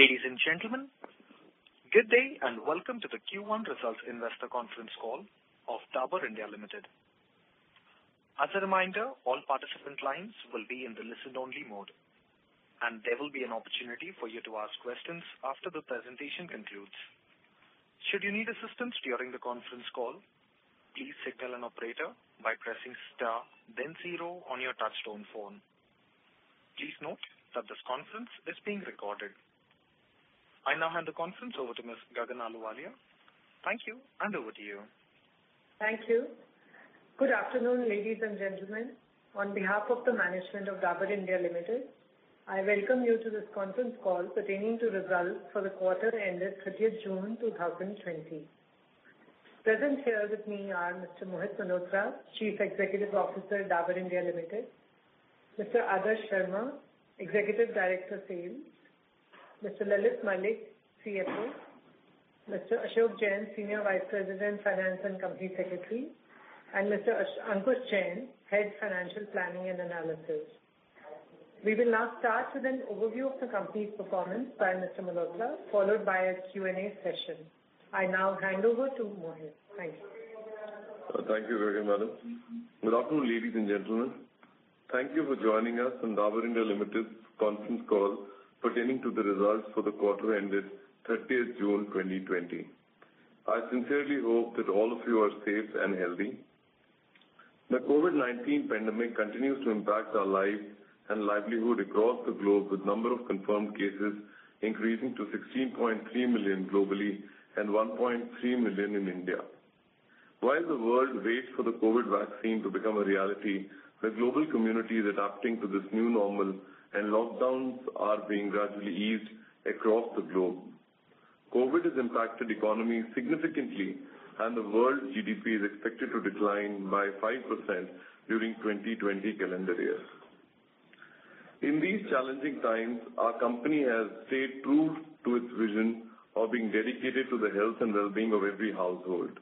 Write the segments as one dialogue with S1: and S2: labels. S1: Ladies and gentlemen, good day and welcome to the Q1 Results Investor Conference Call of Dabur India Limited. As a reminder, all participant lines will be in the listen only mode, and there will be an opportunity for you to ask questions after the presentation concludes. Should you need assistance during the conference call, please signal an operator by pressing star then zero on your touchtone phone. Please note that this conference is being recorded. I now hand the conference over to Ms. Gagan Ahluwalia. Thank you, and over to you.
S2: Thank you. Good afternoon, ladies and gentlemen. On behalf of the management of Dabur India Limited, I welcome you to this conference call pertaining to results for the quarter ended 30th June 2020. Present here with me are Mr. Mohit Malhotra, Chief Executive Officer, Dabur India Limited. Mr. Adarsh Sharma, Executive Director Sales. Mr. Lalit Malik, CFO. Mr. Ashok Jain, Senior Vice President, Finance and Company Secretary, and Mr. Ankush Jain, Head Financial Planning and Analysis. We will now start with an overview of the company's performance by Mr. Malhotra, followed by a Q&A session. I now hand over to Mohit. Thank you.
S3: Thank you very much. Good afternoon, ladies and gentlemen. Thank you for joining us on Dabur India Limited conference call pertaining to the results for the quarter ended 30th June 2020. I sincerely hope that all of you are safe and healthy. The COVID-19 pandemic continues to impact our lives and livelihood across the globe, with number of confirmed cases increasing to 16.3 million globally and 1.3 million in India. While the world waits for the COVID vaccine to become a reality, the global community is adapting to this new normal and lockdowns are being gradually eased across the globe. COVID has impacted economy significantly, and the world's GDP is expected to decline by 5% during 2020 calendar year. In these challenging times, our company has stayed true to its vision of being dedicated to the health and well-being of every household.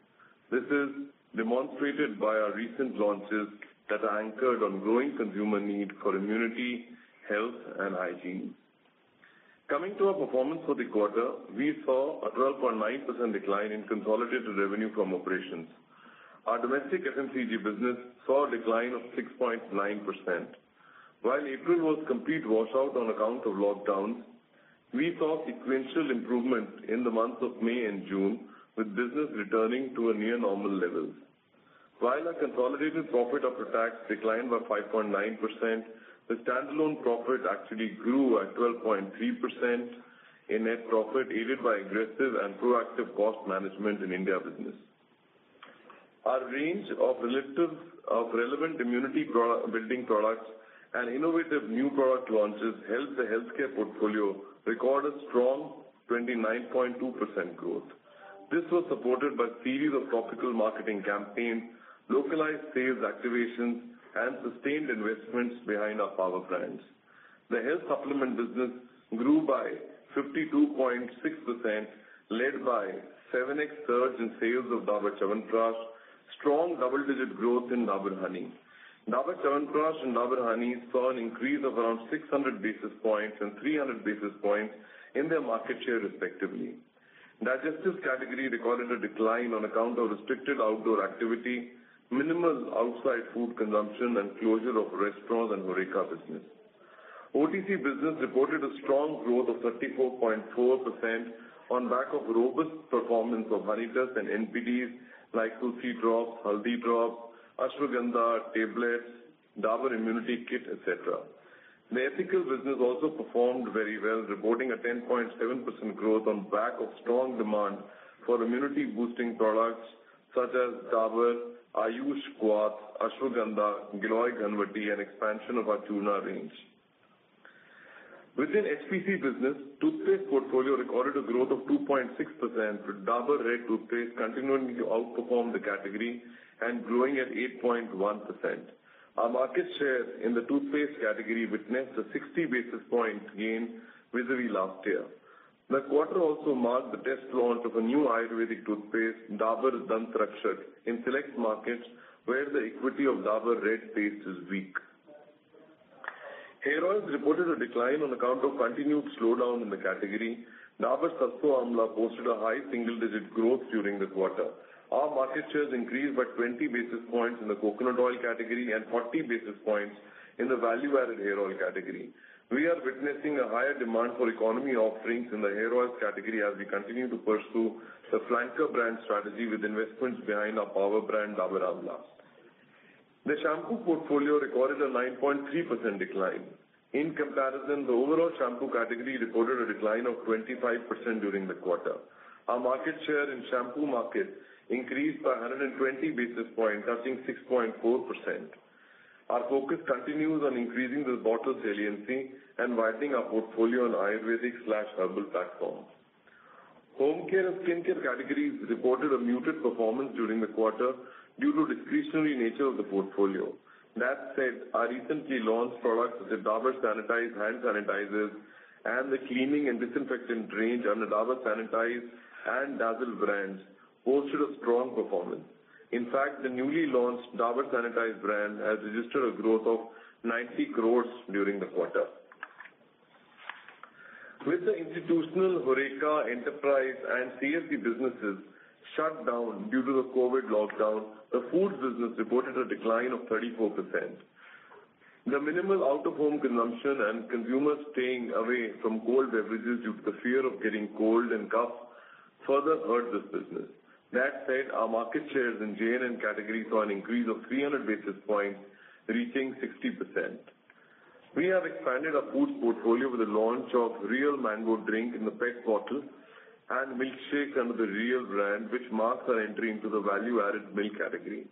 S3: This is demonstrated by our recent launches that are anchored on growing consumer need for immunity, health, and hygiene. Coming to our performance for the quarter, we saw a 12.9% decline in consolidated revenue from operations. Our domestic FMCG business saw a decline of 6.9%. While April was complete washout on account of lockdowns, we saw sequential improvement in the months of May and June, with business returning to a near normal level. While our consolidated profit after tax declined by 5.9%, the standalone profit actually grew at 12.3% in net profit, aided by aggressive and proactive cost management in India business. Our range of relevant immunity-building products and innovative new product launches helped the healthcare portfolio record a strong 29.2% growth. This was supported by series of topical marketing campaigns, localized sales activations, and sustained investments behind our power brands. The health supplement business grew by 52.6%, led by 7x surge in sales of Dabur Chyawanprash, strong double-digit growth in Dabur Honey. Dabur Chyawanprash and Dabur Honey saw an increase of around 600 basis points and 300 basis points in their market share, respectively. Digestive category recorded a decline on account of restricted outdoor activity, minimal outside food consumption, and closure of restaurants and HoReCa business. OTC business reported a strong growth of 34.4% on back of robust performance of Honitus and NPD like Tulsi Drops, Haldi Drops, Ashwagandha Tablet, Dabur Immunity Kit, et cetera. The ethical business also performed very well, reporting a 10.7% growth on back of strong demand for immunity boosting products such as Dabur Ayush Kwath, Ashwagandha, Giloy Ghan Vati, and expansion of our churna range. Within FMCG business, toothpaste portfolio recorded a growth of 2.6% with Dabur Red Toothpaste continuing to outperform the category and growing at 8.1%. Our market share in the toothpaste category witnessed a 60 basis point gain vis-a-vis last year. The quarter also marked the test launch of a new Ayurvedic toothpaste, Dabur Dant Rakshak, in select markets where the equity of Dabur Red paste is weak. Hair oils reported a decline on account of continued slowdown in the category. Dabur Sarson Amla posted a high single-digit growth during the quarter. Our market shares increased by 20 basis points in the coconut oil category and 40 basis points in the value-added hair oil category. We are witnessing a higher demand for economy offerings in the hair oils category as we continue to pursue the flanker brand strategy with investments behind our power brand, Dabur Amla. The shampoo portfolio recorded a 9.3% decline. In comparison, the overall shampoo category reported a decline of 25% during the quarter. Our market share in shampoo market increased by 120 basis points, touching 6.4%. Our focus continues on increasing the bottle saliency and widening our portfolio on Ayurvedic/Herbal platforms. Home care and skin care categories reported a muted performance during the quarter due to discretionary nature of the portfolio. That said, our recently launched products, the Dabur Sanitize hand sanitizers and the cleaning and disinfectant range under Dabur Sanitize and Dazzl brands, posted a strong performance. In fact, the newly launched Dabur Sanitize brand has registered a growth of 90 crores during the quarter. With the institutional HoReCa enterprise and CSD businesses shut down due to the COVID-19 lockdown, the foods business reported a decline of 34%. The minimal out-of-home consumption and consumers staying away from cold beverages due to the fear of getting cold and cough further hurt this business. That said, our market shares in J&N category saw an increase of 300 basis points, reaching 60%. We have expanded our foods portfolio with the launch of Réal Mango drink in the PET bottle and milkshakes under the Réal brand, which marks our entry into the value-added milk category.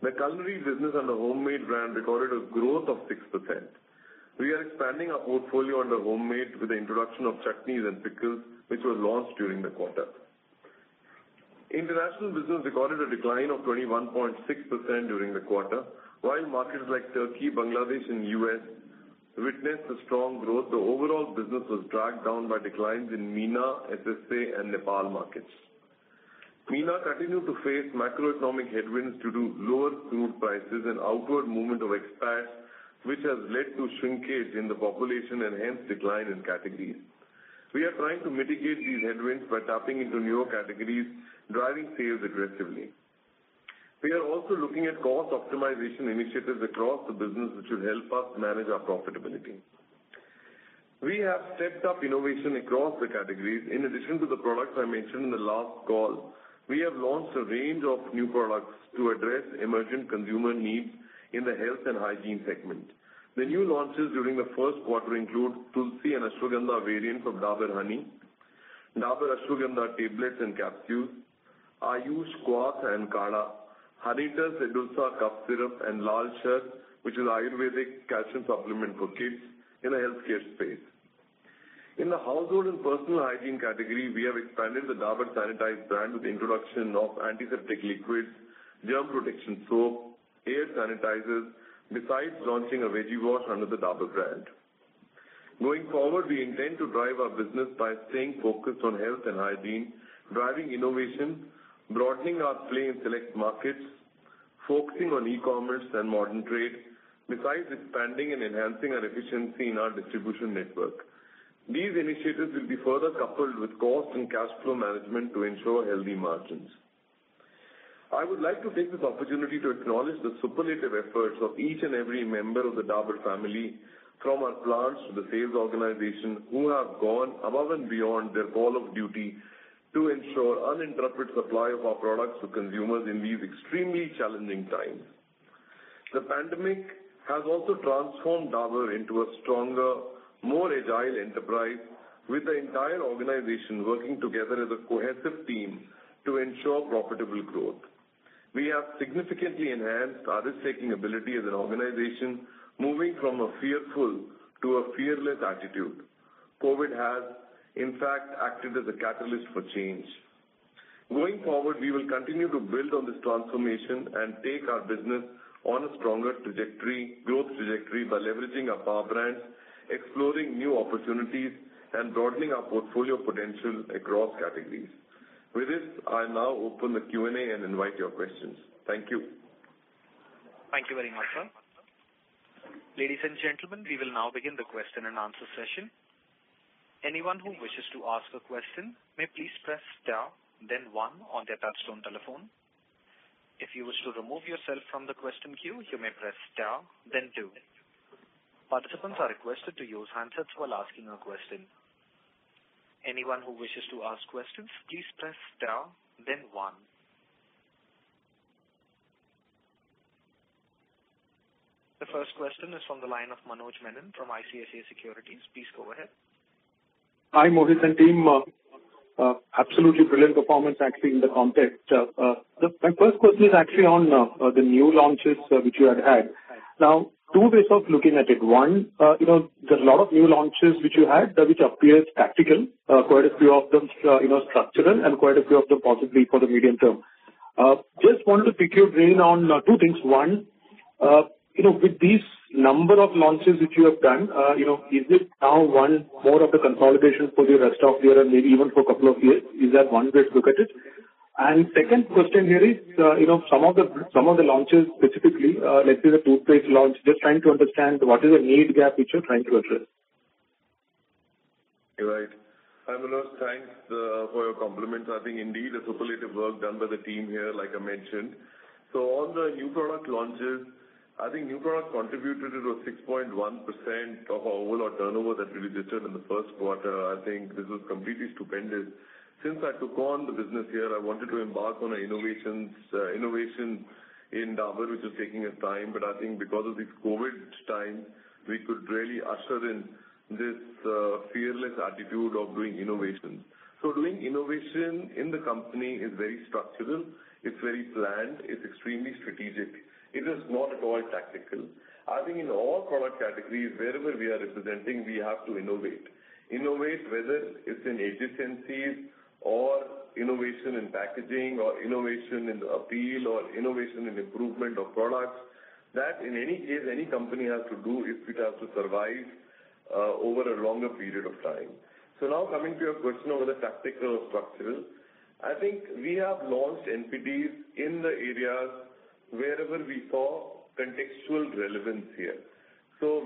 S3: The culinary business under the Hommade brand recorded a growth of 6%. We are expanding our portfolio under Hommade with the introduction of chutneys and pickles, which were launched during the quarter. International business recorded a decline of 21.6% during the quarter. While markets like Turkey, Bangladesh, and the U.S. witnessed a strong growth, the overall business was dragged down by declines in MENA, SSA, and Nepal markets. MENA continued to face macroeconomic headwinds due to lower crude prices and outward movement of expats, which has led to shrinkage in the population and hence decline in categories. We are trying to mitigate these headwinds by tapping into newer categories, driving sales aggressively. We are also looking at cost optimization initiatives across the business, which will help us manage our profitability. We have stepped up innovation across the categories. In addition to the products I mentioned in the last call, we have launched a range of new products to address emerging consumer needs in the health and hygiene segment. The new launches during the first quarter include Tulsi and Ashwagandha variants of Dabur Honey, Dabur Ashwagandha tablets and capsules, Ayush Kwath and Kadha, Honitus Adulsa Cough Syrup, and CalDab, which is Ayurvedic calcium supplement for kids in a healthcare space. In the household and personal hygiene category, we have expanded the Dabur Sanitize brand with the introduction of antiseptic liquids, germ protection soap, air sanitizers, besides launching a Veggie Wash under the Dabur brand. Going forward, we intend to drive our business by staying focused on health and hygiene, driving innovation, broadening our play in select markets, focusing on e-commerce and modern trade, besides expanding and enhancing our efficiency in our distribution network. These initiatives will be further coupled with cost and cash flow management to ensure healthy margins. I would like to take this opportunity to acknowledge the superlative efforts of each and every member of the Dabur family, from our plants to the sales organization, who have gone above and beyond their call of duty to ensure uninterrupted supply of our products to consumers in these extremely challenging times. The pandemic has also transformed Dabur into a stronger, more agile enterprise with the entire organization working together as a cohesive team to ensure profitable growth. We have significantly enhanced risk-taking ability as an organization, moving from a fearful to a fearless attitude. COVID has, in fact, acted as a catalyst for change. Going forward, we will continue to build on this transformation and take our business on a stronger growth trajectory by leveraging our power brands, exploring new opportunities, and broadening our portfolio potential across categories. With this, I now open the Q&A and invite your questions. Thank you.
S1: Thank you very much, sir. Ladies and gentlemen, we will now begin the question and answer session. Anyone who wishes to ask a question may please press star, then one on their touchtone telephone. If you wish to remove yourself from the question queue, you may press star then two. Participants are requested to use handsets while asking a question. Anyone who wishes to ask questions, please press star then one. The first question is from the line of Manoj Menon from ICICI Securities. Please go ahead.
S4: Hi, Mohit and team. Absolutely brilliant performance, actually, in the context. My first question is actually on the new launches which you had, two ways of looking at it. There's a lot of new launches which you had, which appears tactical, quite a few of them structural and quite a few of them possibly for the medium term. Just wanted to pick your brain on two things. With these number of launches that you have done, is it now more of the consolidation for the rest of the year and maybe even for a couple of years? Is that one way to look at it? Second question here is, some of the launches, specifically, let's say the toothpaste launch, just trying to understand what is the need gap which you're trying to address.
S3: You're right. Hi, Manoj, thanks for your compliments. I think indeed a superlative work done by the team here, like I mentioned. On the new product launches, I think new products contributed to the 6.1% of our overall turnover that we registered in the first quarter. I think this is completely stupendous. Since I took on the business here, I wanted to embark on innovations in Dabur, which is taking time. I think because of this COVID time, we could really usher in this fearless attitude of doing innovation. Doing innovation in the company is very structural, it's very planned, it's extremely strategic. It is not at all tactical. I think in all product categories, wherever we are representing, we have to innovate. Innovate, whether it's in efficiencies or innovation in packaging or innovation in the appeal or innovation in improvement of products. That, in any case, any company has to do if it has to survive over a longer period of time. Now coming to your question over the tactical structural. I think we have launched NPDs in the areas wherever we saw contextual relevance here.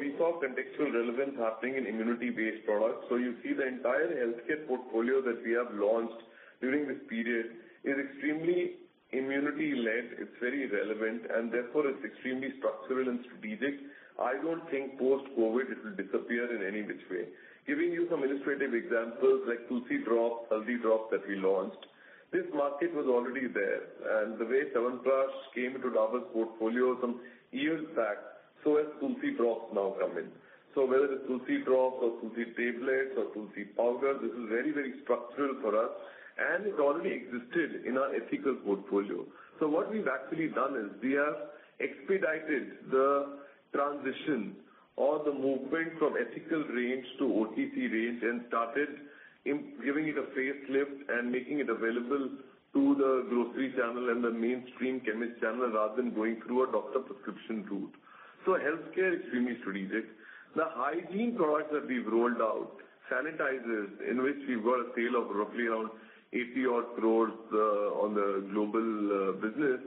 S3: We saw contextual relevance happening in immunity-based products. You see the entire healthcare portfolio that we have launched during this period is extremely immunity-led. It's very relevant, and therefore it's extremely structural and strategic. I don't think post-COVID it will disappear in any which way. Giving you some illustrative examples like Tulsi Drops, Haldi Drops that we launched. This market was already there, and the way Chyawanprash came into Dabur's portfolio some years back, so has Tulsi Drops now come in. Whether it is Tulsi Drops or Tulsi tablets or Tulsi powder, this is very structural for us, and it already existed in our ethical portfolio. What we've actually done is we have expedited the transition or the movement from ethical range to OTC range and started giving it a facelift and making it available to the grocery channel and the mainstream chemist channel, rather than going through a doctor prescription route. Healthcare, extremely strategic. The hygiene products that we've rolled out, sanitizers, in which we've got a sale of roughly around 80 odd crores on the global business.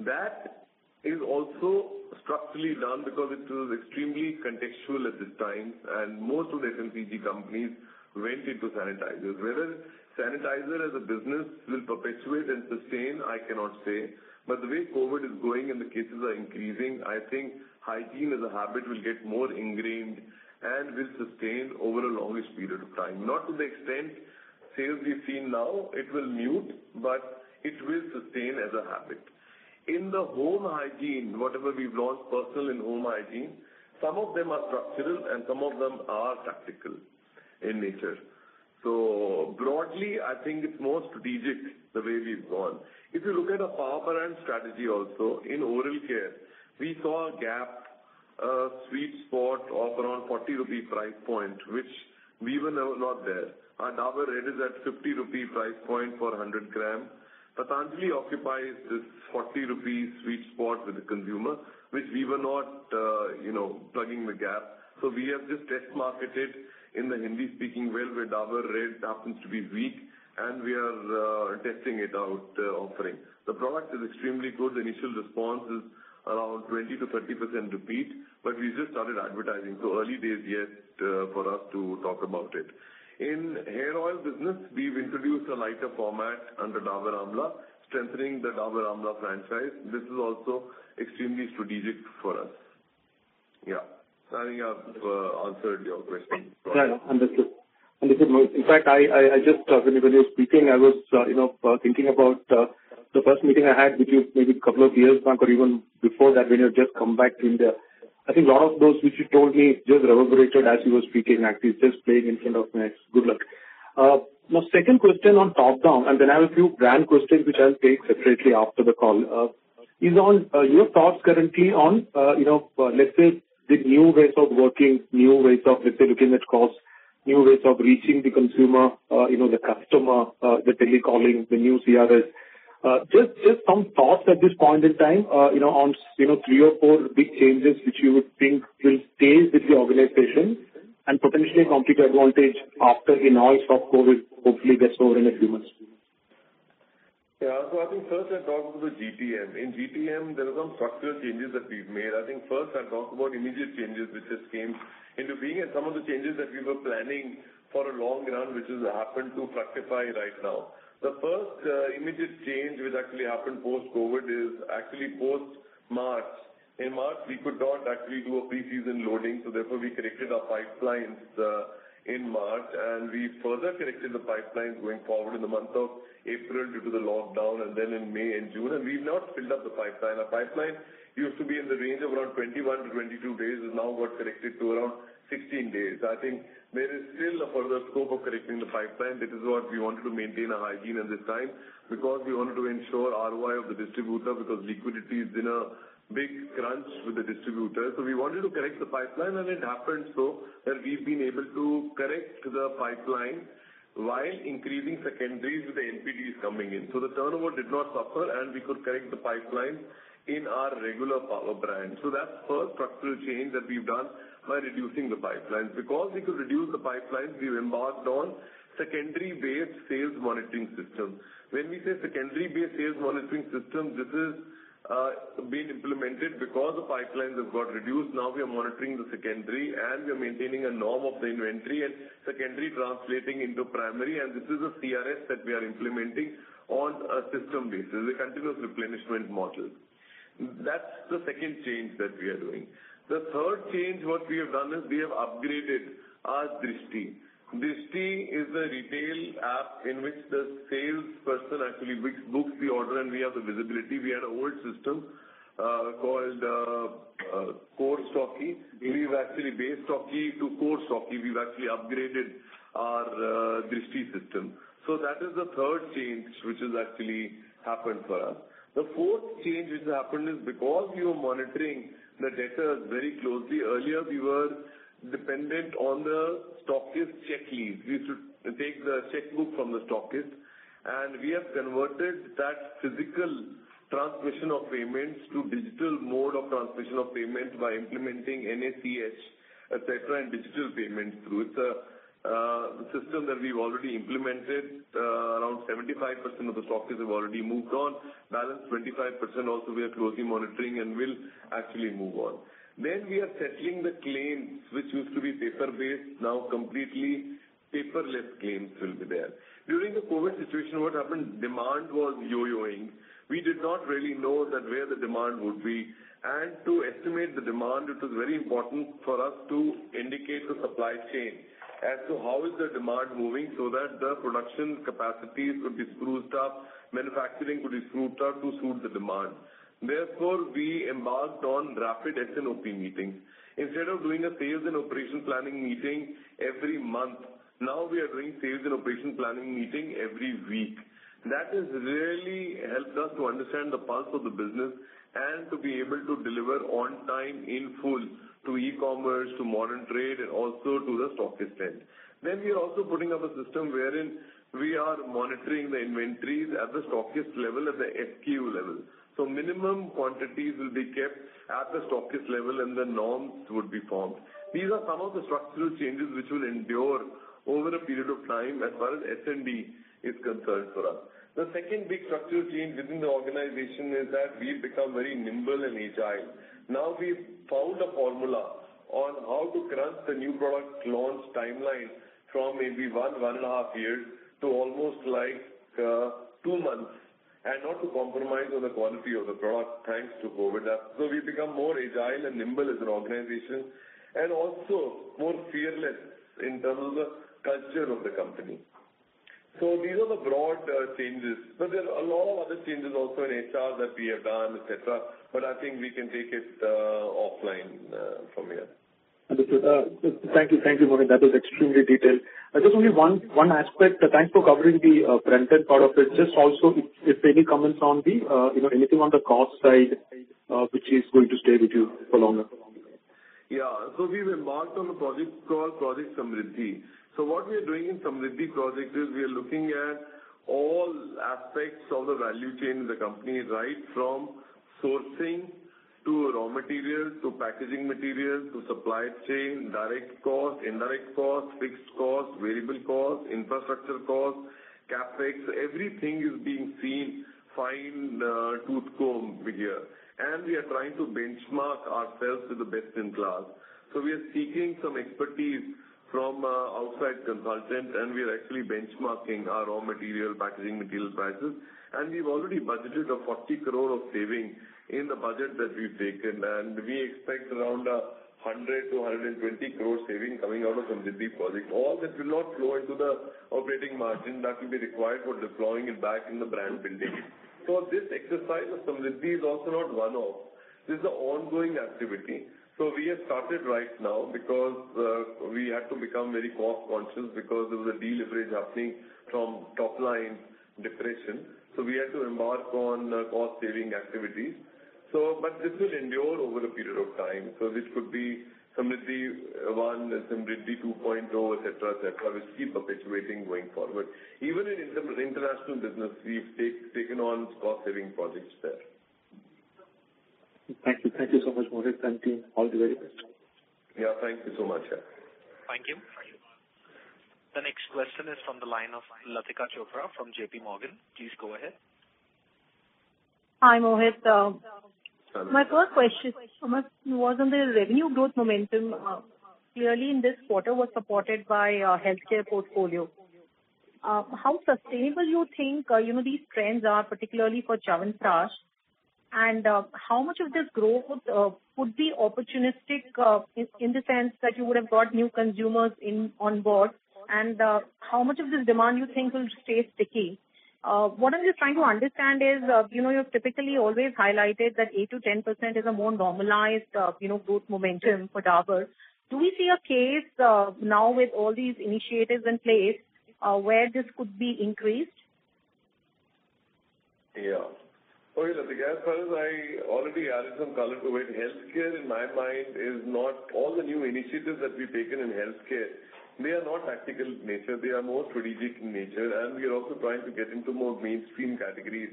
S3: That is also structurally done because it was extremely contextual at this time, and most of the FMCG companies went into sanitizers. Whether sanitizer as a business will perpetuate and sustain, I cannot say. The way COVID is going and the cases are increasing, I think hygiene as a habit will get more ingrained and will sustain over a longest period of time. Not to the extent sales we've seen now, it will mute, but it will sustain as a habit. In the home hygiene, whatever we've launched personal and home hygiene, some of them are structural and some of them are tactical in nature. Broadly, I think it's more strategic the way we've gone. If you look at a power brand strategy also in oral care, we saw a gap, a sweet spot of around 40 rupee price point, which we were not there. Our Dabur Red is at 50 rupee price point for 100 g. Patanjali occupies this 40 rupee sweet spot with the consumer, which we were not plugging the gap. We have just test marketed in the Hindi-speaking world where Dabur Red happens to be weak, and we are testing it out offering. The product is extremely good. The initial response is around 20%-30% repeat, but we just started advertising, early days yet for us to talk about it. In hair oil business, we've introduced a lighter format under Dabur Amla, strengthening the Dabur Amla franchise. This is also extremely strategic for us. Yeah. I think I've answered your question.
S4: Yeah, understood. When you were just speaking, I was thinking about the first meeting I had with you maybe a couple of years back or even before that when you had just come back to India. I think a lot of those which you told me just reverberated as you were speaking, actually just playing in front of me. Good luck. Second question on top-down, and then I have a few brand questions which I'll take separately after the call, is on your thoughts currently on, let's say, the new ways of working, new ways of, let's say, looking at costs, new ways of reaching the consumer, the customer, the telecalling, the new CRS. Just some thoughts at this point in time on three or four big changes which you would think will stay with the organization and potentially complete advantage after in all of COVID hopefully gets over in a few months.
S3: Yeah. I think first I'll talk about the GTM. In GTM, there are some structural changes that we've made. I think first I'll talk about immediate changes which just came into being and some of the changes that we were planning for a long run, which has happened to fructify right now. The first immediate change which actually happened post-COVID is actually post-March. In March, we could not actually do a pre-season loading, so therefore, we corrected our pipelines in March, and we further corrected the pipelines going forward in the month of April due to the lockdown, and then in May and June. We've not filled up the pipeline. Our pipeline used to be in the range of around 21 to 22 days. It now got corrected to around 16 days. I think there is still a further scope of correcting the pipeline. This is what we wanted to maintain a hygiene at this time because we wanted to ensure ROI of the distributor because liquidity is in a big crunch with the distributor. We wanted to correct the pipeline, and it happened so that we've been able to correct the pipeline while increasing secondaries with the NPDs coming in. The turnover did not suffer, and we could correct the pipeline in our regular power brand. That's first structural change that we've done by reducing the pipelines. We could reduce the pipelines, we've embarked on secondary-based sales monitoring system. When we say secondary-based sales monitoring system, this is being implemented because the pipelines have got reduced. We are monitoring the secondary, we are maintaining a norm of the inventory and secondary translating into primary, this is a CRS that we are implementing on a system basis, a continuous replenishment model. That's the second change that we are doing. The third change what we have done is we have upgraded our DRISHTi. DRISHTi is a retail app in which the salesperson actually books the order, we have the visibility. We had a old system called Core Stocky. We've actually based Stocky to Core Stocky. We've actually upgraded our DRISHTi system. That is the third change which has actually happened for us. The fourth change which has happened is because we were monitoring the debtors very closely. Earlier, we were dependent on the stockist checklist. We used to take the checkbook from the stockist, we have converted that physical transmission of payments to digital mode of transmission of payments by implementing NEFT, etc., and digital payments through it. The system that we've already implemented, around 75% of the stockists have already moved on. Balance 25% also, we are closely monitoring and will actually move on. We are settling the claims, which used to be paper-based, now completely paperless claims will be there. During the COVID situation, what happened, demand was yo-yoing. We did not really know that where the demand would be. To estimate the demand, it was very important for us to indicate the supply chain as to how is the demand moving, so that the production capacities could be spruced up, manufacturing could be spruced up to suit the demand. Therefore, we embarked on rapid S&OP meetings. Instead of doing a sales and operation planning meeting every month, now we are doing sales and operation planning meeting every week. That has really helped us to understand the pulse of the business and to be able to deliver on time in full to e-commerce, to modern trade, and also to the stockist end. We are also putting up a system wherein we are monitoring the inventories at the stockist level, at the SKU level. Minimum quantities will be kept at the stockist level, and the norms would be formed. These are some of the structural changes which will endure over a period of time as far as S&D is concerned for us. The second big structural change within the organization is that we've become very nimble and agile. We've found a formula on how to crunch the new product launch timeline from maybe one and a half years to almost two months, and not to compromise on the quality of the product, thanks to COVID. We've become more agile and nimble as an organization, and also more fearless in terms of culture of the company. These are the broad changes, but there are a lot of other changes also in HR that we have done, et cetera, but I think we can take it offline from here.
S4: Understood. Thank you, Mohit. That was extremely detailed. Just only one aspect. Thanks for covering the front-end part of it. Also if any comments on anything on the cost side, which is going to stay with you for longer.
S3: We've embarked on a project called Project Samriddhi. What we are doing in Samriddhi project is we are looking at all aspects of the value chain in the company, right from sourcing to raw materials to packaging materials to supply chain, direct cost, indirect cost, fixed cost, variable cost, infrastructure cost, CapEx. Everything is being seen fine-tooth comb here. We are trying to benchmark ourselves to the best in class. We are seeking some expertise from outside consultants, and we are actually benchmarking our raw material, packaging material prices. We've already budgeted 40 crore of savings in the budget that we've taken, and we expect around 100- 120 crore saving coming out of Samriddhi project. All that will not flow into the operating margin. That will be required for deploying it back in the brand building. This exercise of Samriddhi is also not one-off. This is an ongoing activity. We have started right now because we had to become very cost-conscious because of the deleverage happening from top-line deflation. We had to embark on cost-saving activities. This will endure over a period of time. This could be Samriddhi 1 and Samriddhi 2.0, et cetera. We keep perpetuating going forward. Even in terms of international business, we've taken on cost-saving projects there.
S4: Thank you. Thank you so much, Mohit. All the very best.
S3: Yeah, thank you so much.
S1: Thank you. The next question is from the line of Latika Chopra from J.P. Morgan. Please go ahead.
S5: Hi, Mohit.
S3: Hello.
S5: My first question was on the revenue growth momentum. Clearly, in this quarter was supported by healthcare portfolio. How sustainable you think these trends are, particularly for Chyawanprash? How much of this growth would be opportunistic in the sense that you would have got new consumers on board? How much of this demand you think will stay sticky? What I'm just trying to understand is, you've typically always highlighted that 8% to 10% is a more normalized growth momentum for Dabur. Do we see a case now with all these initiatives in place where this could be increased?
S3: Okay, Latika, as far as I already added some color to it, healthcare in my mind is not all the new initiatives that we've taken in healthcare. They are not tactical nature, they are more strategic in nature, we are also trying to get into more mainstream categories.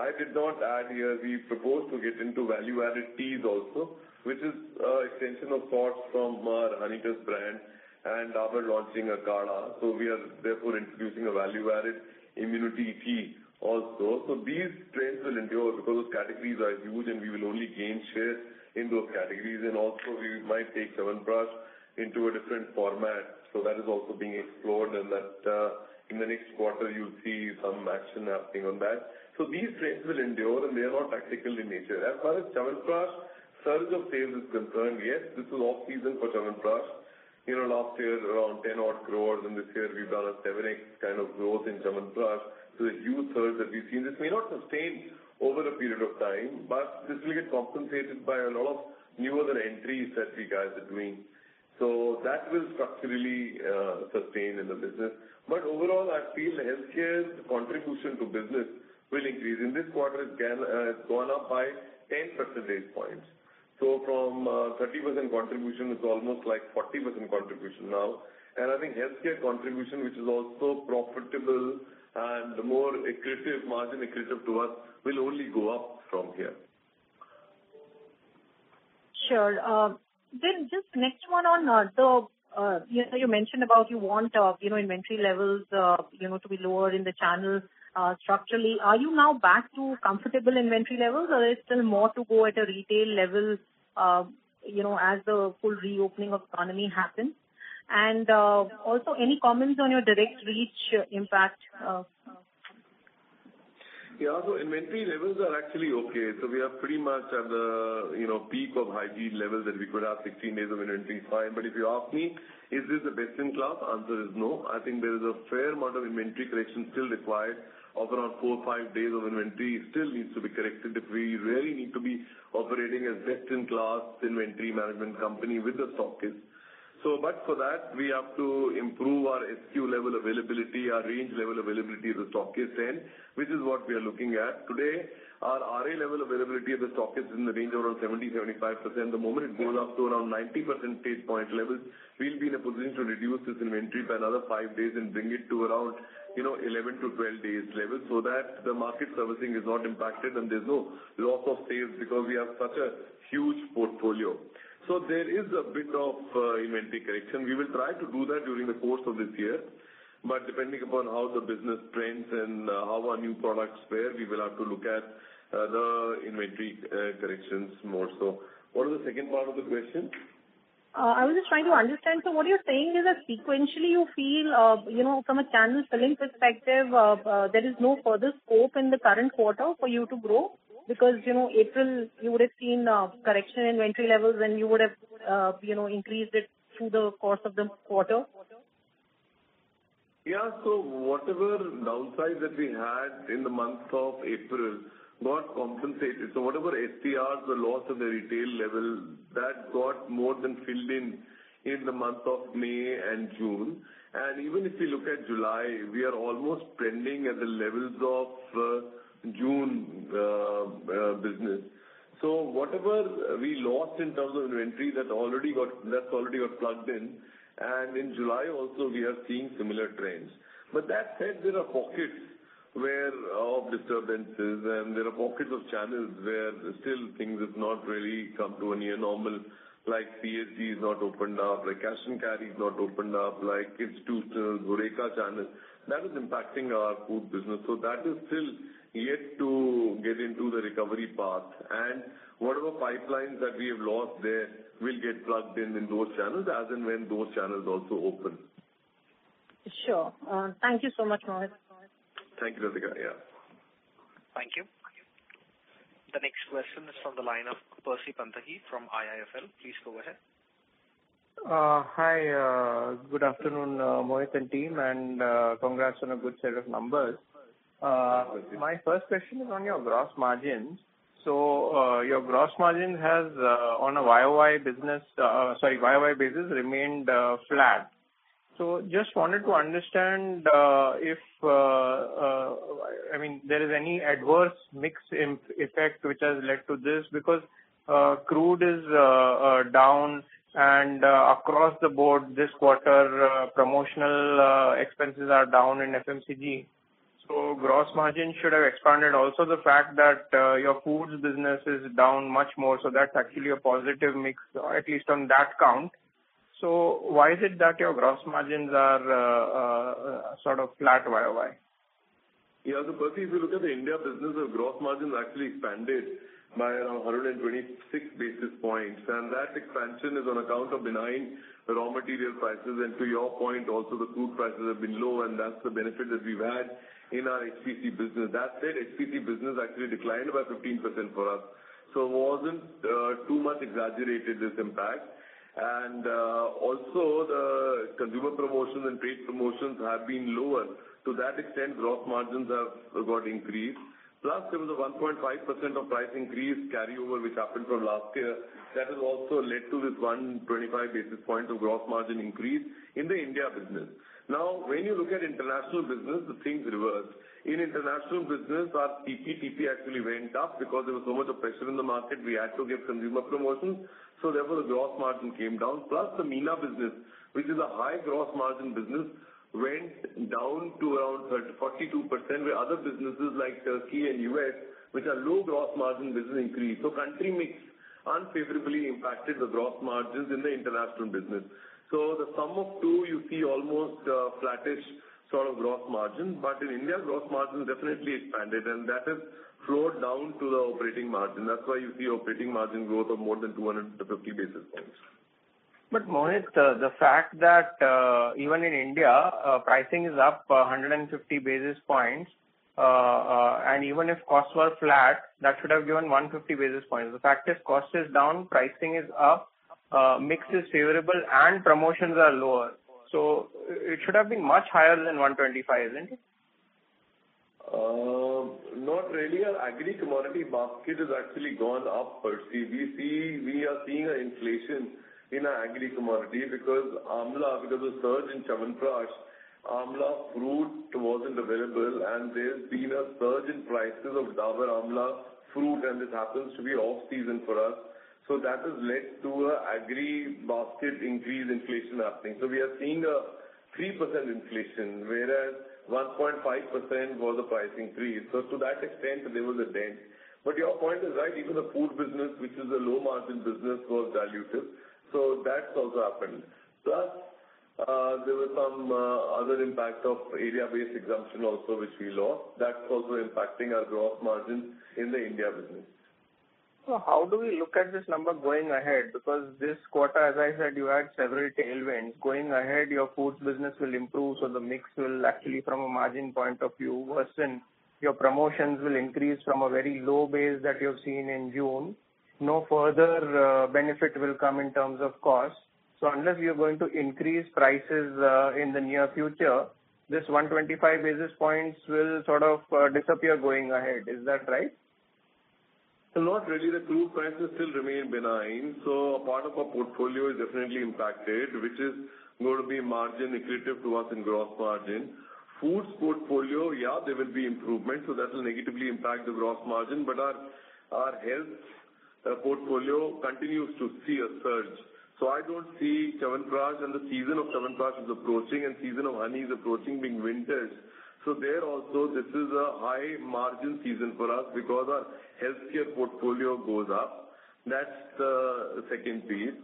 S3: I did not add here, we propose to get into value-added teas also, which is extension of thoughts from our Honitus brand and Dabur launching a Kadha. We are therefore introducing a value-added immunity tea also. These trends will endure because those categories are huge, we will only gain share in those categories. Also we might take Chyawanprash into a different format. That is also being explored that in the next quarter you'll see some action happening on that. These trends will endure, they are not tactical in nature. As far as Chyawanprash surge of sales is concerned, yes, this is off-season for Chyawanprash. Last year around 10 odd crore, this year we've done a 7x kind of growth in Chyawanprash. The huge surge that we've seen, this may not sustain over a period of time, this will get compensated by a lot of newer entries that we have between. That will structurally sustain in the business. Overall, I feel healthcare's contribution to business will increase. In this quarter, it's gone up by 10 percentage points. From 30% contribution, it's almost 40% contribution now. I think healthcare contribution, which is also profitable and more margin accretive to us, will only go up from here.
S5: Sure. You mentioned about you want inventory levels to be lower in the channel structurally. Are you now back to comfortable inventory levels or there's still more to go at a retail level as the full reopening of economy happens? Also any comments on your direct reach impact?
S3: Yeah. Inventory levels are actually okay. We are pretty much at the peak of high yield levels that we could have 16 days of inventory is fine. If you ask me, is this a best-in-class? Answer is no. I think there is a fair amount of inventory correction still required of around four or five days of inventory still needs to be corrected, if we really need to be operating a best-in-class inventory management company with the stockists. For that, we have to improve our SKU level availability, our range level availability at the stockist end, which is what we are looking at today. Our RA level availability at the stockist is in the range of around 70% to 75%. The moment it goes up to around 90% stage point levels, we'll be in a position to reduce this inventory by another five days and bring it to around 11-12 days level so that the market servicing is not impacted, and there's no loss of sales because we have such a huge portfolio. There is a bit of inventory correction. We will try to do that during the course of this year, depending upon how the business trends and how our new products fare, we will have to look at the inventory corrections more so. What was the second part of the question?
S5: I was just trying to understand. What you're saying is that sequentially you feel, from a channel selling perspective, there is no further scope in the current quarter for you to grow because April you would have seen a correction in inventory levels and you would have increased it through the course of the quarter?
S3: Whatever downside that we had in the month of April got compensated. Whatever SDRs were lost at the retail level, that got more than filled in the month of May and June. Even if you look at July, we are almost trending at the levels of June business. Whatever we lost in terms of inventory, that already got plugged in. In July also we are seeing similar trends. That said, there are pockets of disturbances, and there are pockets of channels where still things have not really come to a near normal, like PHC has not opened up, like cash and carry has not opened up, like kids' tutors, HoReCa channels. That is impacting our food business. That is still yet to get into the recovery path. Whatever pipelines that we have lost there will get plugged in those channels as and when those channels also open.
S5: Sure. Thank you so much, Mohit.
S3: Thank you, Latika. Yeah.
S1: Thank you. The next question is from the line of Percy Panthaki from IIFL. Please go ahead.
S6: Hi. Good afternoon, Mohit and team, and congrats on a good set of numbers. My first question is on your gross margins. Your gross margin has on a year-over-year basis remained flat. Just wanted to understand if there is any adverse mix effect which has led to this, because crude is down and across the board this quarter, promotional expenses are down in FMCG. Gross margin should have expanded. Also, the fact that your foods business is down much more, that's actually a positive mix, at least on that count. Why is it that your gross margins are sort of flat year-over-year?
S3: Yeah. Percy, if you look at the India business, the gross margins actually expanded by around 126 basis points, and that expansion is on account of benign raw material prices. To your point also, the food prices have been low, and that's the benefit that we've had in our FMCG business. That said, FMCG business actually declined by 15% for us. It wasn't too much exaggerated, this impact. Also the consumer promotions and trade promotions have been lower. To that extent, gross margins have got increased. Plus there was a 1.5% of price increase carryover which happened from last year. That has also led to this 125 basis points of gross margin increase in the India business. When you look at international business, the things reverse. In international business, our TP actually went up because there was so much pressure in the market, we had to give consumer promotions, so therefore the gross margin came down. The MENA business, which is a high gross margin business, went down to around 42%, where other businesses like Turkey and U.S., which are low gross margin businesses increased. Country mix unfavorably impacted the gross margins in the international business. The sum of two, you see almost flattish sort of gross margin. In India, gross margin definitely expanded, and that has flowed down to the operating margin. That's why you see operating margin growth of more than 250 basis points.
S6: Mohit, the fact that even in India, pricing is up 150 basis points, and even if costs were flat, that should have given 150 basis points. The fact is cost is down, pricing is up, mix is favorable, and promotions are lower. It should have been much higher than 125, isn't it?
S3: Not really. Our agri commodity basket has actually gone up, Percy. We are seeing an inflation in our agri commodity because Amla, because of surge in Chyawanprash-Amla fruit wasn't available, and there's been a surge in prices of Dabur Amla fruit, and this happens to be off-season for us. That has led to an agri basket increase inflation happening. We are seeing a 3% inflation, whereas 1.5% was the price increase. To that extent, there was a dent. Your point is right. Even the food business, which is a low margin business, was dilutive. That's also happened. Plus, there were some other impact of area-based exemption also, which we lost. That's also impacting our gross margins in the India business.
S6: How do we look at this number going ahead? This quarter, as I said, you had several tailwinds. Going ahead, your foods business will improve, so the mix will actually, from a margin point of view, worsen. Your promotions will increase from a very low base that you've seen in June. No further benefit will come in terms of cost. Unless you're going to increase prices in the near future, this 125 basis points will sort of disappear going ahead. Is that right?
S3: Not really. The fruit prices still remain benign. Part of our portfolio is definitely impacted, which is going to be margin accretive to us in gross margin. Foods portfolio, yeah, there will be improvements. That will negatively impact the gross margin. Our health portfolio continues to see a surge. I don't see Chyawanprash and the season of Chyawanprash is approaching, and season of honey is approaching being winters. There also, this is a high margin season for us because our healthcare portfolio goes up. That's the second piece.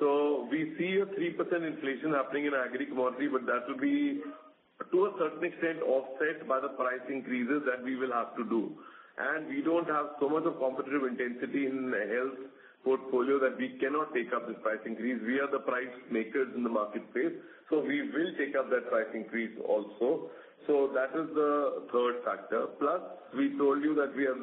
S3: We see a 3% inflation happening in agri commodity, but that will be to a certain extent, offset by the price increases that we will have to do. We don't have so much of competitive intensity in the health portfolio that we cannot take up this price increase. We are the price makers in the market space, we will take up that price increase also. That is the third factor. We told you that we are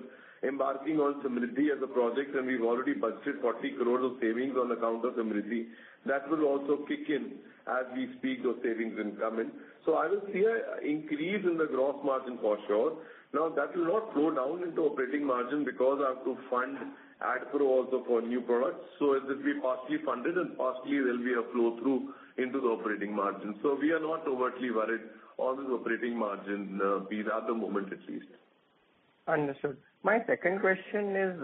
S3: embarking on Samriddhi as a project, and we've already budgeted 40 crore of savings on account of Samriddhi. That will also kick in. As we speak, those savings will come in. I will see an increase in the gross margin for sure. That will now flow down into operating margin because I have to fund A&P also for new products. It will be partially funded, and partially there will be a flow-through into the operating margin. We are not overtly worried on the operating margin vis at the moment, at least.
S6: Understood. My second question is,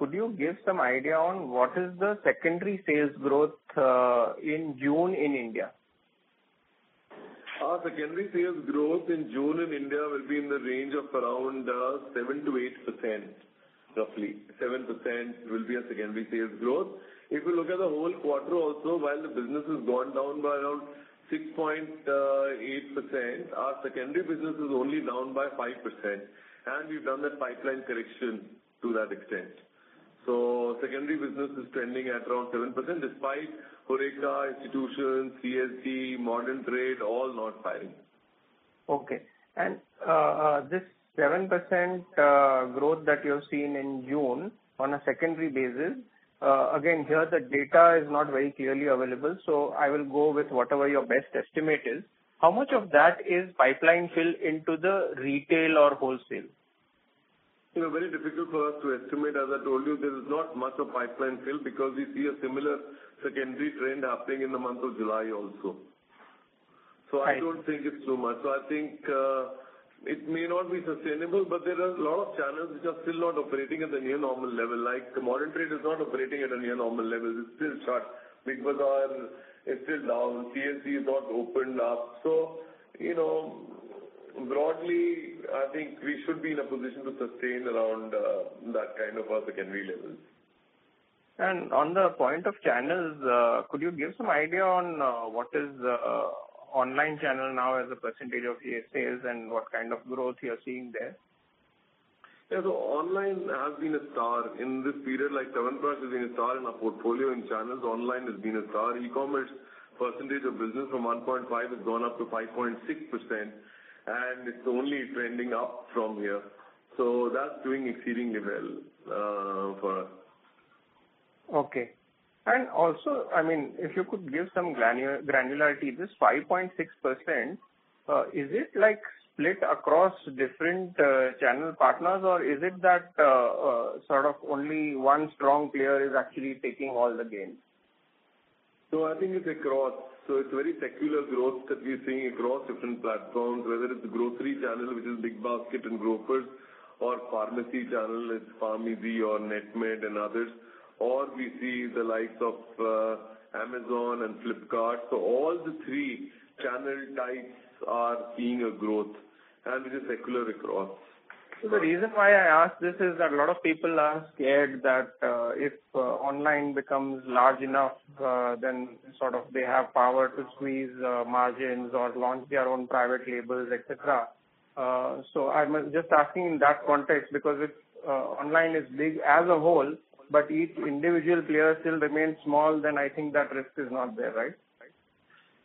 S6: could you give some idea on what is the secondary sales growth, in June in India?
S3: Our secondary sales growth in June in India will be in the range of around 7%-8%, roughly. 7% will be our secondary sales growth. If you look at the whole quarter also, while the business has gone down by around 6.8%, our secondary business is only down by 5%, and we've done that pipeline correction to that extent. Secondary business is trending at around 7%, despite HoReCa, institutions, CSD, modern trade, all not firing.
S6: Okay. This 7% growth that you're seeing in June on a secondary basis, again, here the data is not very clearly available, so I will go with whatever your best estimate is. How much of that is pipeline fill into the retail or wholesale?
S3: Very difficult for us to estimate. As I told you, there is not much of pipeline fill because we see a similar secondary trend happening in the month of July also.
S6: Right.
S3: I don't think it's too much. I think it may not be sustainable, but there are a lot of channels which are still not operating at the near normal level. Like the modern trade is not operating at a near normal level. It's still shut. Big Bazaar is still down. CSD is not opened up. Broadly, I think we should be in a position to sustain around that kind of a secondary level.
S6: On the point of channels, could you give some idea on what is online channel now as a % of your sales and what kind of growth you are seeing there?
S3: Yeah. Online has been a star in this period. Like Dabur Chyawanprash has been a star in our portfolio, in channels, online has been a star. E-commerce percentage of business from 1.5% has gone up to 5.6%, and it's only trending up from here. That's doing exceedingly well for us.
S6: Okay. Also, if you could give some granularity. This 5.6%, is it split across different channel partners, or is it that sort of only one strong player is actually taking all the gains?
S3: No, I think it's across. It's very secular growth that we're seeing across different platforms, whether it's grocery channel, which is BigBasket and Grofers, or pharmacy channel, it's PharmEasy or Netmeds and others, or we see the likes of Amazon and Flipkart. All the three channel types are seeing a growth, and it is secular across.
S6: The reason why I ask this is that a lot of people are scared that if online becomes large enough, then sort of they have power to squeeze margins or launch their own private labels, et cetera. I'm just asking in that context because if online is big as a whole, but each individual player still remains small, then I think that risk is not there, right?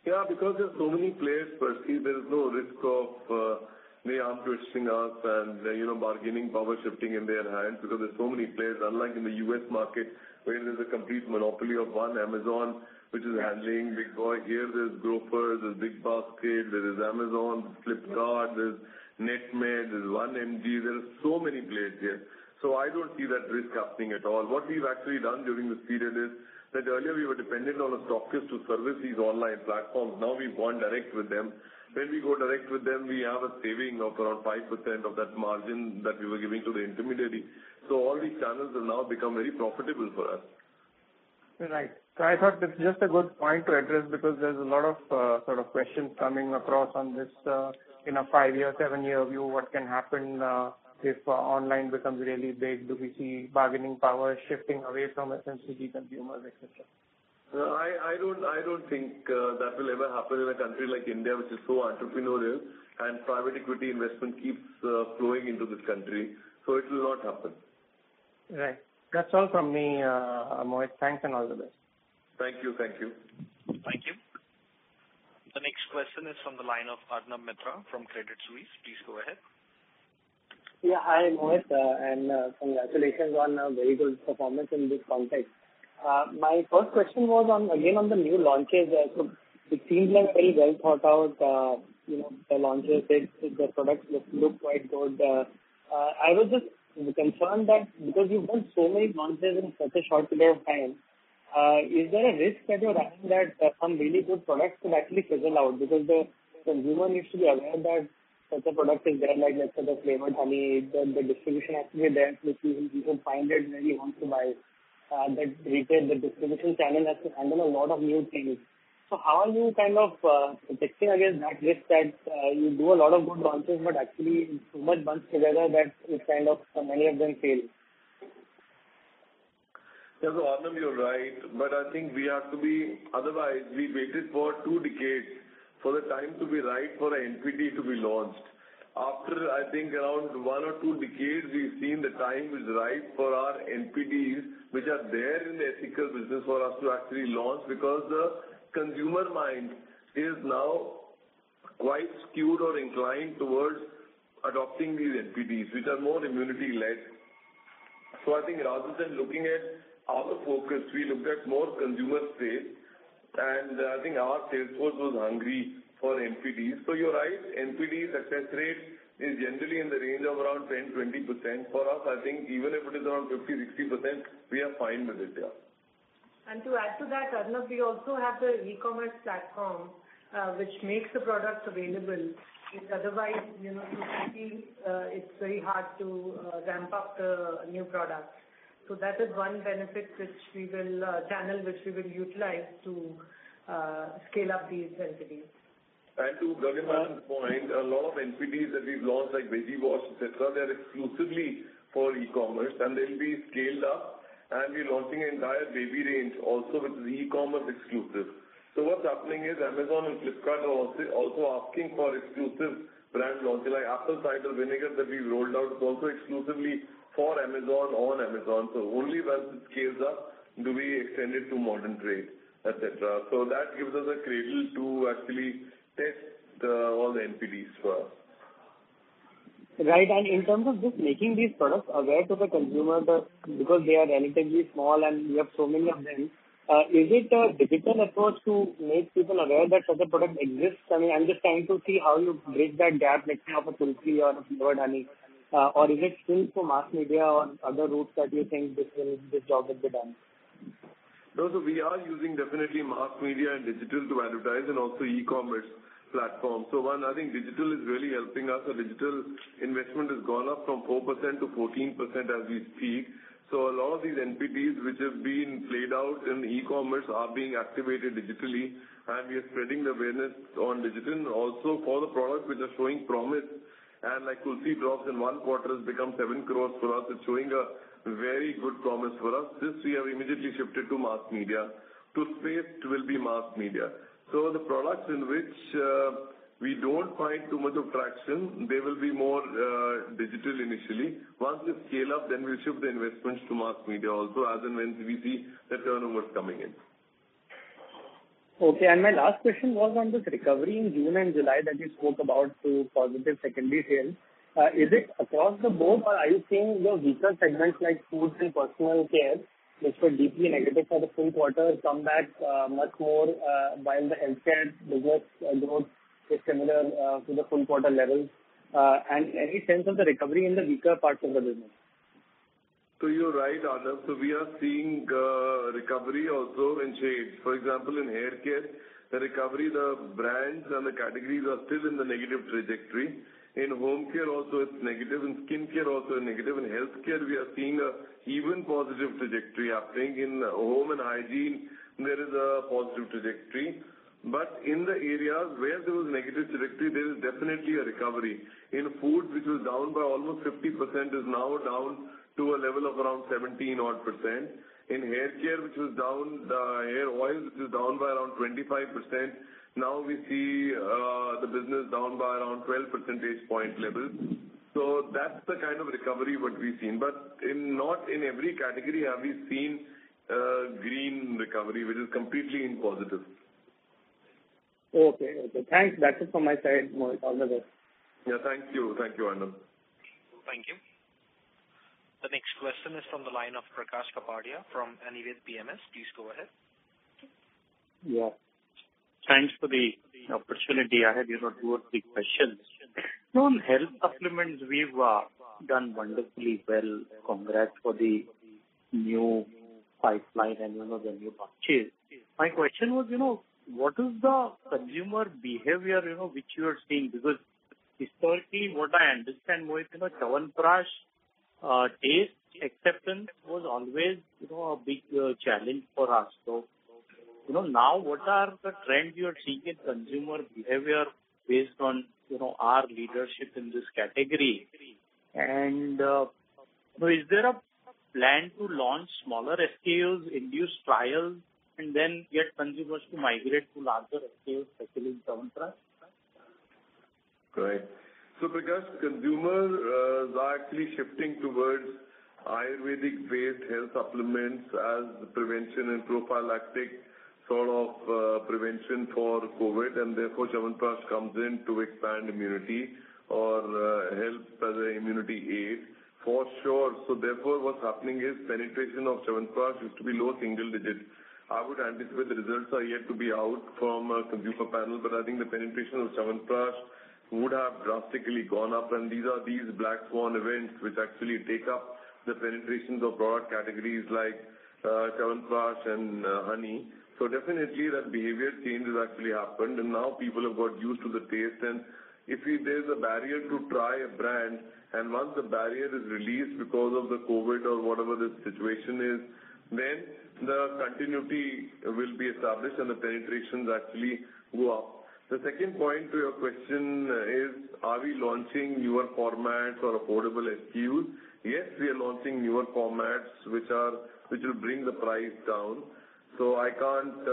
S3: Yeah, because there's so many players per se, there's no risk of they arm-twisting us and the bargaining power shifting in their hands because there's so many players, unlike in the U.S. market, where there's a complete monopoly of one, Amazon, which is handling big. Here, there's Grofers, there's BigBasket, there is Amazon, Flipkart, Netmeds, there's Tata 1mg, there are so many players here, I don't see that risk happening at all. What we've actually done during this period is that earlier we were dependent on a doctor to service these online platforms. Now we've gone direct with them. When we go direct with them, we have a saving of around 5% of that margin that we were giving to the intermediary. All these channels have now become very profitable for us.
S6: Right. I thought this is just a good point to address because there's a lot of questions coming across on this, in a five-year, seven-year view, what can happen, if online becomes really big? Do we see bargaining power shifting away from FMCG consumers, et cetera?
S3: No, I don't think that will ever happen in a country like India, which is so entrepreneurial, and private equity investment keeps flowing into this country, so it will not happen.
S6: Right. That's all from me, Mohit. Thanks, and all the best.
S3: Thank you.
S1: Thank you. The next question is from the line of Arnab Mitra from Credit Suisse. Please go ahead.
S7: Hi, Mohit, and congratulations on a very good performance in this context. My first question was again on the new launches. It seems like very well thought out, the launches bit, the products look quite good. I was just concerned that because you've done so many launches in such a short period of time, is there a risk that you're running that some really good products could actually fizzle out because the consumer needs to be aware that such a product is there, like let's say the flavored honey, the distribution has to be there, which you can find it where you want to buy. The retail, the distribution channel has to handle a lot of new things. How are you protecting against that risk that you do a lot of good launches, but actually so much bunched together that many of them fail?
S3: Arnab, you're right, but I think we have to be otherwise, we waited for two decades for the time to be right for a NPD to be launched. After, I think, around one or two decades, we've seen the time is right for our NPDs, which are there in the ethical business for us to actually launch, because the consumer mind is now quite skewed or inclined towards adopting these NPDs, which are more immunity-led. I think rather than looking at our focus, we looked at more consumer space, and I think our sales force was hungry for NPDs. You're right, NPD success rate is generally in the range of around 10%, 20%. For us, I think even if it is around 50%, 60%, we are fine with it, yeah.
S8: To add to that, Arnab, we also have the e-commerce platform, which makes the products available. Otherwise, typically, it's very hard to ramp up the new products. That is one benefit which we will channel, which we will utilize to scale up these NPDs.
S3: To e-commerce's point, a lot of NPDs that we've launched, like Veggie Wash, et cetera, they're exclusively for e-commerce, and they'll be scaled up, and we're launching an entire baby range also, which is e-commerce exclusive. What's happening is Amazon and Flipkart are also asking for exclusive brand launch. Like apple cider vinegar that we've rolled out is also exclusively for Amazon on Amazon. Only once it scales up do we extend it to modern trade, et cetera. That gives us a cradle to actually test all the NPDs for.
S7: Right. In terms of just making these products aware to the consumer, because they are relatively small and you have so many of them, is it a digital approach to make people aware that such a product exists? I'm just trying to see how you bridge that gap, let's say, of a Tulsi or a flavored Honey. Is it still through mass media or other routes that you think this job will be done?
S3: No. We are using definitely mass media and digital to advertise and also e-commerce platforms. One, I think digital is really helping us. Our digital investment has gone up from 4% to 14% as we speak. A lot of these NPDs which have been played out in e-commerce are being activated digitally, and we are spreading the awareness on digital and also for the products which are showing promise. Like Tulsi Drops in one quarter has become 7 crore for us, it's showing a very good promise for us. This we have immediately shifted to mass media. Tulsi it will be mass media. The products in which we don't find too much of traction, they will be more digital initially. Once we scale up, then we'll shift the investments to mass media also as and when we see the turnovers coming in.
S7: Okay. My last question was on this recovery in June and July that you spoke about through positive secondary sales. Is it across the board or are you seeing your weaker segments like foods and personal care, which were deeply negative for the full quarter, come back much more, while the healthcare business growth is similar to the full quarter levels? Any sense of the recovery in the weaker parts of the business?
S3: You're right, Arnab. We are seeing recovery also in shades. For example, in haircare, the recovery, the brands and the categories are still in the negative trajectory. In home care also it's negative, in skincare also negative. In healthcare, we are seeing an even positive trajectory happening. In home and hygiene, there is a positive trajectory. In the areas where there was negative trajectory, there is definitely a recovery. In food, which was down by almost 50%, is now down to a level of around 17%-odd. In haircare, which was down, hair oils which was down by around 25%, now we see the business down by around 12 percentage point levels. That's the kind of recovery what we've seen. Not in every category have we seen a green recovery which is completely in positive.
S7: Okay. Thanks. That's it from my side, Mohit. All the best.
S3: Yeah, thank you. Thank you, Arnab.
S1: The next question is from the line of Prakash Kapadia from Anived PMS. Please go ahead.
S9: Thanks for the opportunity. I have two or three questions. On health supplements, we've done wonderfully well. Congrats for the new pipeline and the new purchase. My question was, what is the consumer behavior which you are seeing? Historically, what I understand was Chyawanprash taste acceptance was always a big challenge for us. Now what are the trends you are seeing in consumer behavior based on our leadership in this category? Is there a plan to launch smaller SKUs, induce trials, and then get consumers to migrate to larger SKUs, especially Chyawanprash?
S3: Great. Because consumers are actually shifting towards Ayurvedic-based health supplements as prevention and prophylactic sort of prevention for COVID, and therefore Chyawanprash comes in to expand immunity or help as an immunity aid. For sure. Therefore, what's happening is penetration of Chyawanprash used to be low single digits. I would anticipate the results are yet to be out from a consumer panel, I think the penetration of Chyawanprash would have drastically gone up, and these are these black swan events which actually take up the penetrations of product categories like Chyawanprash and Honey. Definitely that behavior change has actually happened, and now people have got used to the taste, and if there's a barrier to try a brand, and once the barrier is released because of the COVID or whatever the situation is, then the continuity will be established and the penetrations actually go up. The second point to your question is, are we launching newer formats or affordable SKUs? Yes, we are launching newer formats which will bring the price down. I can't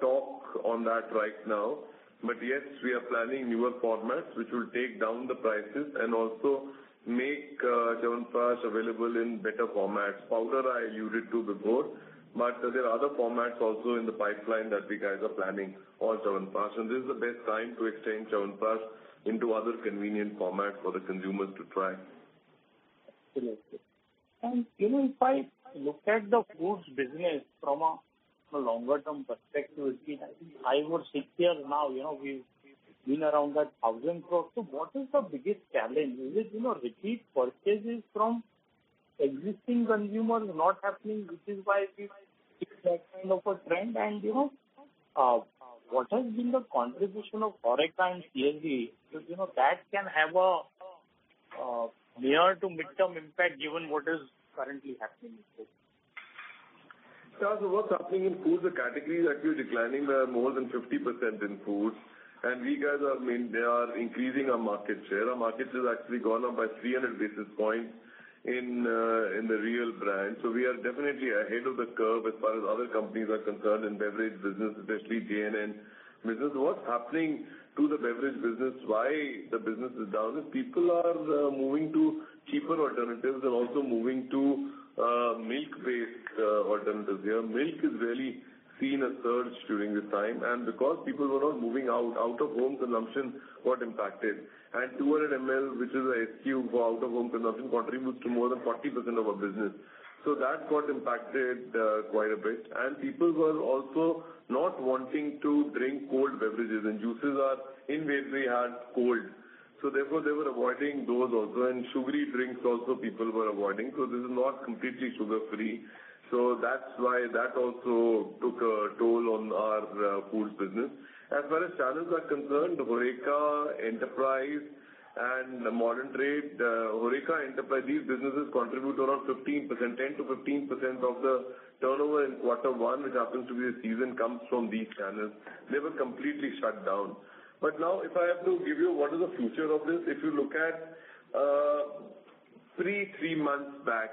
S3: talk on that right now. Yes, we are planning newer formats which will take down the prices and also make Chyawanprash available in better formats. Powder I alluded to before, but there are other formats also in the pipeline that we guys are planning on Chyawanprash, and this is the best time to extend Chyawanprash into other convenient formats for the consumers to try.
S9: Absolutely. If I look at the foods business from a longer term perspective, it has been five or six years now, we've been around that 1,000 crores. What is the biggest challenge? Is it repeat purchases from existing consumers not happening, which is why we see that kind of a trend? What has been the contribution of HoReCa and CSD? That can have a near to midterm impact given what is currently happening.
S3: What's happening in foods, the categories actually declining by more than 50% in foods. We are increasing our market share. Our market share has actually gone up by 300 basis points in the Réal brand. We are definitely ahead of the curve as far as other companies are concerned in beverage business, especially J&N business. What's happening to the beverage business, why the business is down, is people are moving to cheaper alternatives. They're also moving to milk-based alternatives. Milk has really seen a surge during this time, and because people were not moving out-of-home consumption got impacted. 200 ml, which is a SKU for out-of-home consumption, contributes to more than 40% of our business. That got impacted quite a bit, and people were also not wanting to drink cold beverages, and juices are, in ways, they are cold. Therefore, they were avoiding those also, and sugary drinks also people were avoiding. This is not completely sugar-free. That's why that also took a toll on our foods business. As far as channels are concerned, HoReCa, enterprise, and modern trade. HoReCa, enterprise, these businesses contribute around 15%, 10%-15% of the turnover in quarter one, which happens to be the season, comes from these channels. They were completely shut down. Now, if I have to give you what is the future of this, if you look at three months back,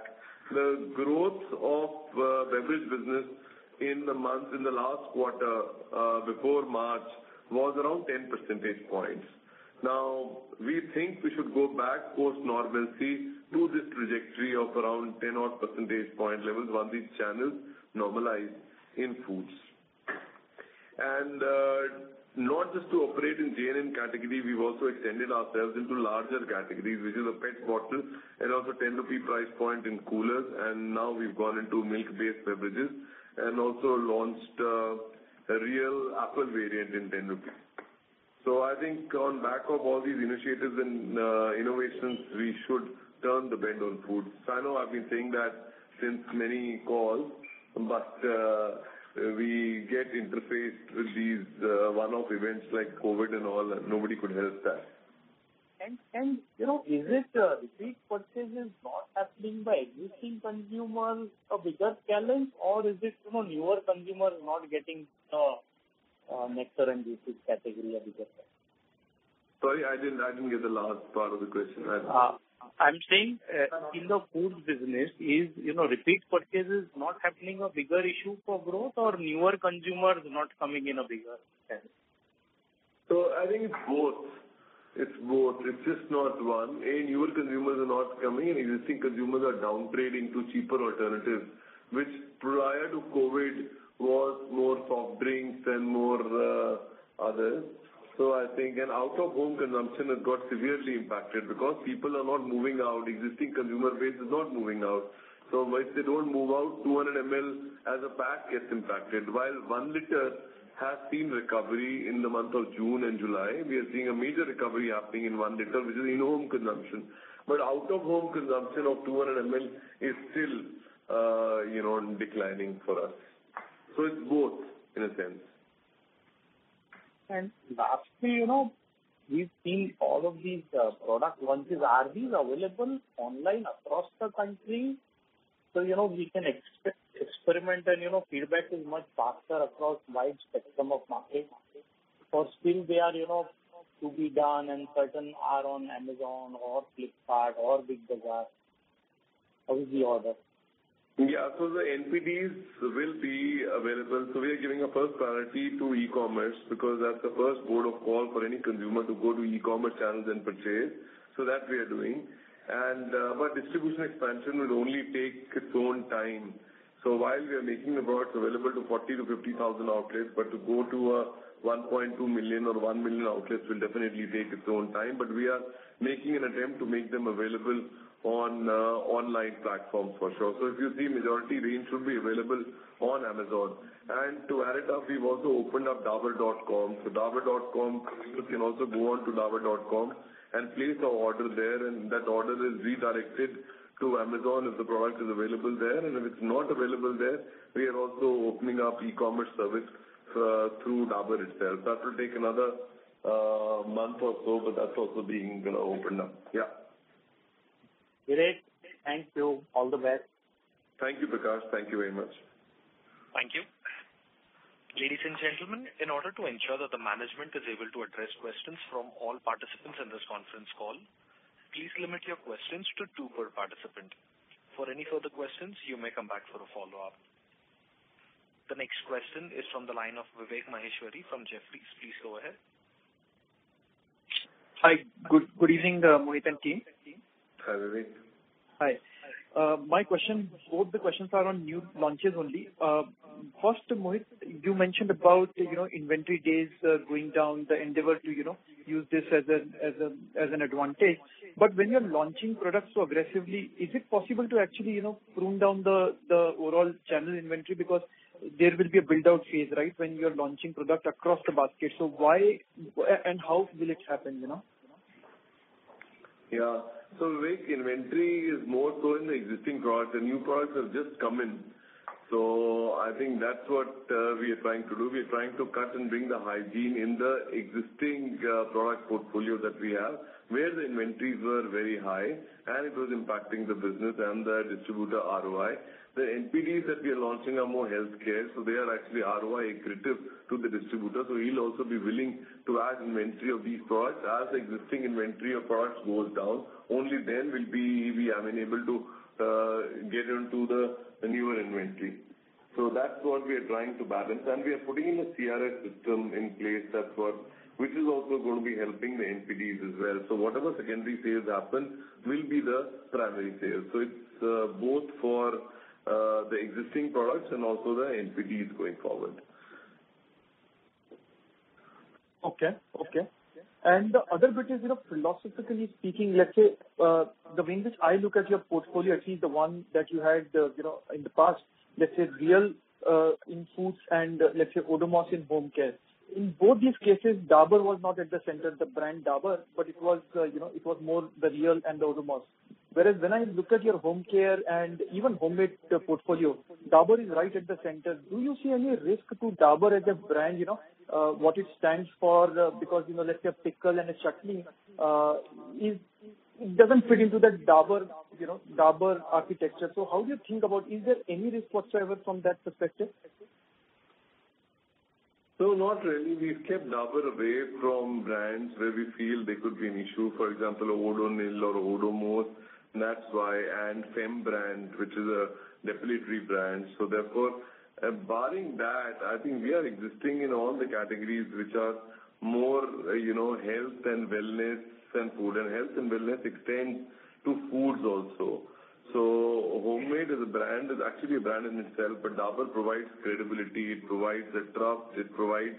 S3: the growth of beverage business in the last quarter before March was around 10 percentage points. Now, we think we should go back post-normalcy to this trajectory of around 10-odd percentage point levels once these channels normalize in foods. Not just to operate in J&N category, we've also extended ourselves into larger categories, which is a PET bottle and also 10 rupee price point in coolers, now we've gone into milk-based beverages and also launched a Réal Apple variant in 10 rupees. I think on back of all these initiatives and innovations, we should turn the bend on foods. I know I've been saying that since many calls, but we get interfaced with these one-off events like COVID and all, nobody could help that.
S9: Is it repeat purchases not happening by existing consumers a bigger challenge, or is it newer consumers not getting nectar and juices category a bigger challenge?
S3: Sorry, I didn't get the last part of the question.
S9: I'm saying in the foods business, is repeat purchases not happening a bigger issue for growth or newer consumers not coming in a bigger challenge?
S3: I think it's both. It's just not one. Newer consumers are not coming, and existing consumers are downgrading to cheaper alternatives, which prior to COVID was more soft drinks and more others. I think an out-of-home consumption has got severely impacted because people are not moving out, existing consumer base is not moving out. If they don't move out, 200 ml as a pack gets impacted. While 1 L has seen recovery in the month of June and July. We are seeing a major recovery happening in 1 L, which is in-home consumption. Out-of-home consumption of 200 ml is still declining for us. It's both in a sense.
S9: Lastly, we've seen all of these product launches. Are these available online across the country? We can experiment and feedback is much faster across wide spectrum of markets. For still they are to be done and certain are on Amazon or Flipkart or Big Bazaar. How is the order?
S3: The NPDs will be available. We are giving a first priority to e-commerce because that's the first port of call for any consumer to go to e-commerce channels and purchase. That we are doing. Our distribution expansion will only take its own time. While we are making the products available to 40,000 to 50,000 outlets, to go to a 1.2 million or 1 million outlets will definitely take its own time, but we are making an attempt to make them available on online platforms for sure. If you see majority range should be available on Amazon. To add it up, we've also opened up dabur.com. dabur.com, consumers can also go onto dabur.com and place our order there. That order is redirected to Amazon if the product is available there. If it is not available there, we are also opening up e-commerce service through Dabur itself. That will take another month or so. That is also being opened up. Yeah.
S9: Great. Thank you. All the best.
S3: Thank you, Prakash. Thank you very much.
S1: Thank you. Ladies and gentlemen, in order to ensure that the management is able to address questions from all participants in this conference call, please limit your questions to two per participant. For any further questions, you may come back for a follow-up. The next question is from the line of Vivek Maheshwari from Jefferies. Please go ahead.
S10: Hi. Good evening, Mohit and team.
S3: Hi, Vivek.
S10: Hi. Both the questions are on new launches only. First, Mohit, you mentioned about inventory days going down, the endeavor to use this as an advantage. When you're launching products so aggressively, is it possible to actually prune down the overall channel inventory? Because there will be a build-out phase when you're launching product across the basket. Why and how will it happen?
S3: Yeah. Vivek, inventory is more so in the existing products. The new products have just come in. I think that's what we are trying to do. We're trying to cut and bring the hygiene in the existing product portfolio that we have, where the inventories were very high, and it was impacting the business and the distributor ROI. The NPDs that we are launching are more healthcare, they are actually ROI accretive to the distributor. He'll also be willing to add inventory of these products as existing inventory of products goes down. Only then we'll be able to get into the newer inventory. That's what we are trying to balance, and we are putting in a CRS system in place, which is also going to be helping the NPDs as well. Whatever secondary sales happen will be the primary sales. It's both for the existing products and also the NPDs going forward.
S10: Okay. The other bit is, philosophically speaking, let's say, the way in which I look at your portfolio, at least the one that you had in the past, let's say Réal in foods and, let's say, Odomos in home care. In both these cases, Dabur was not at the center, the brand Dabur, but it was more the Réal and the Odomos. Whereas when I look at your home care and even Hommade portfolio, Dabur is right at the center. Do you see any risk to Dabur as a brand? What it stands for? Let's say a pickle and a chutney, it doesn't fit into that Dabur architecture. How do you think about it? Is there any risk whatsoever from that perspective?
S3: No, not really. We've kept Dabur away from brands where we feel there could be an issue, for example, Odonil or Odomos, and that's why. Fem brand, which is a depilatory brand. Therefore, barring that, I think we are existing in all the categories which are more health and wellness than food. Health and wellness extends to foods also. Hommade is actually a brand in itself, but Dabur provides credibility, it provides the trust, it provides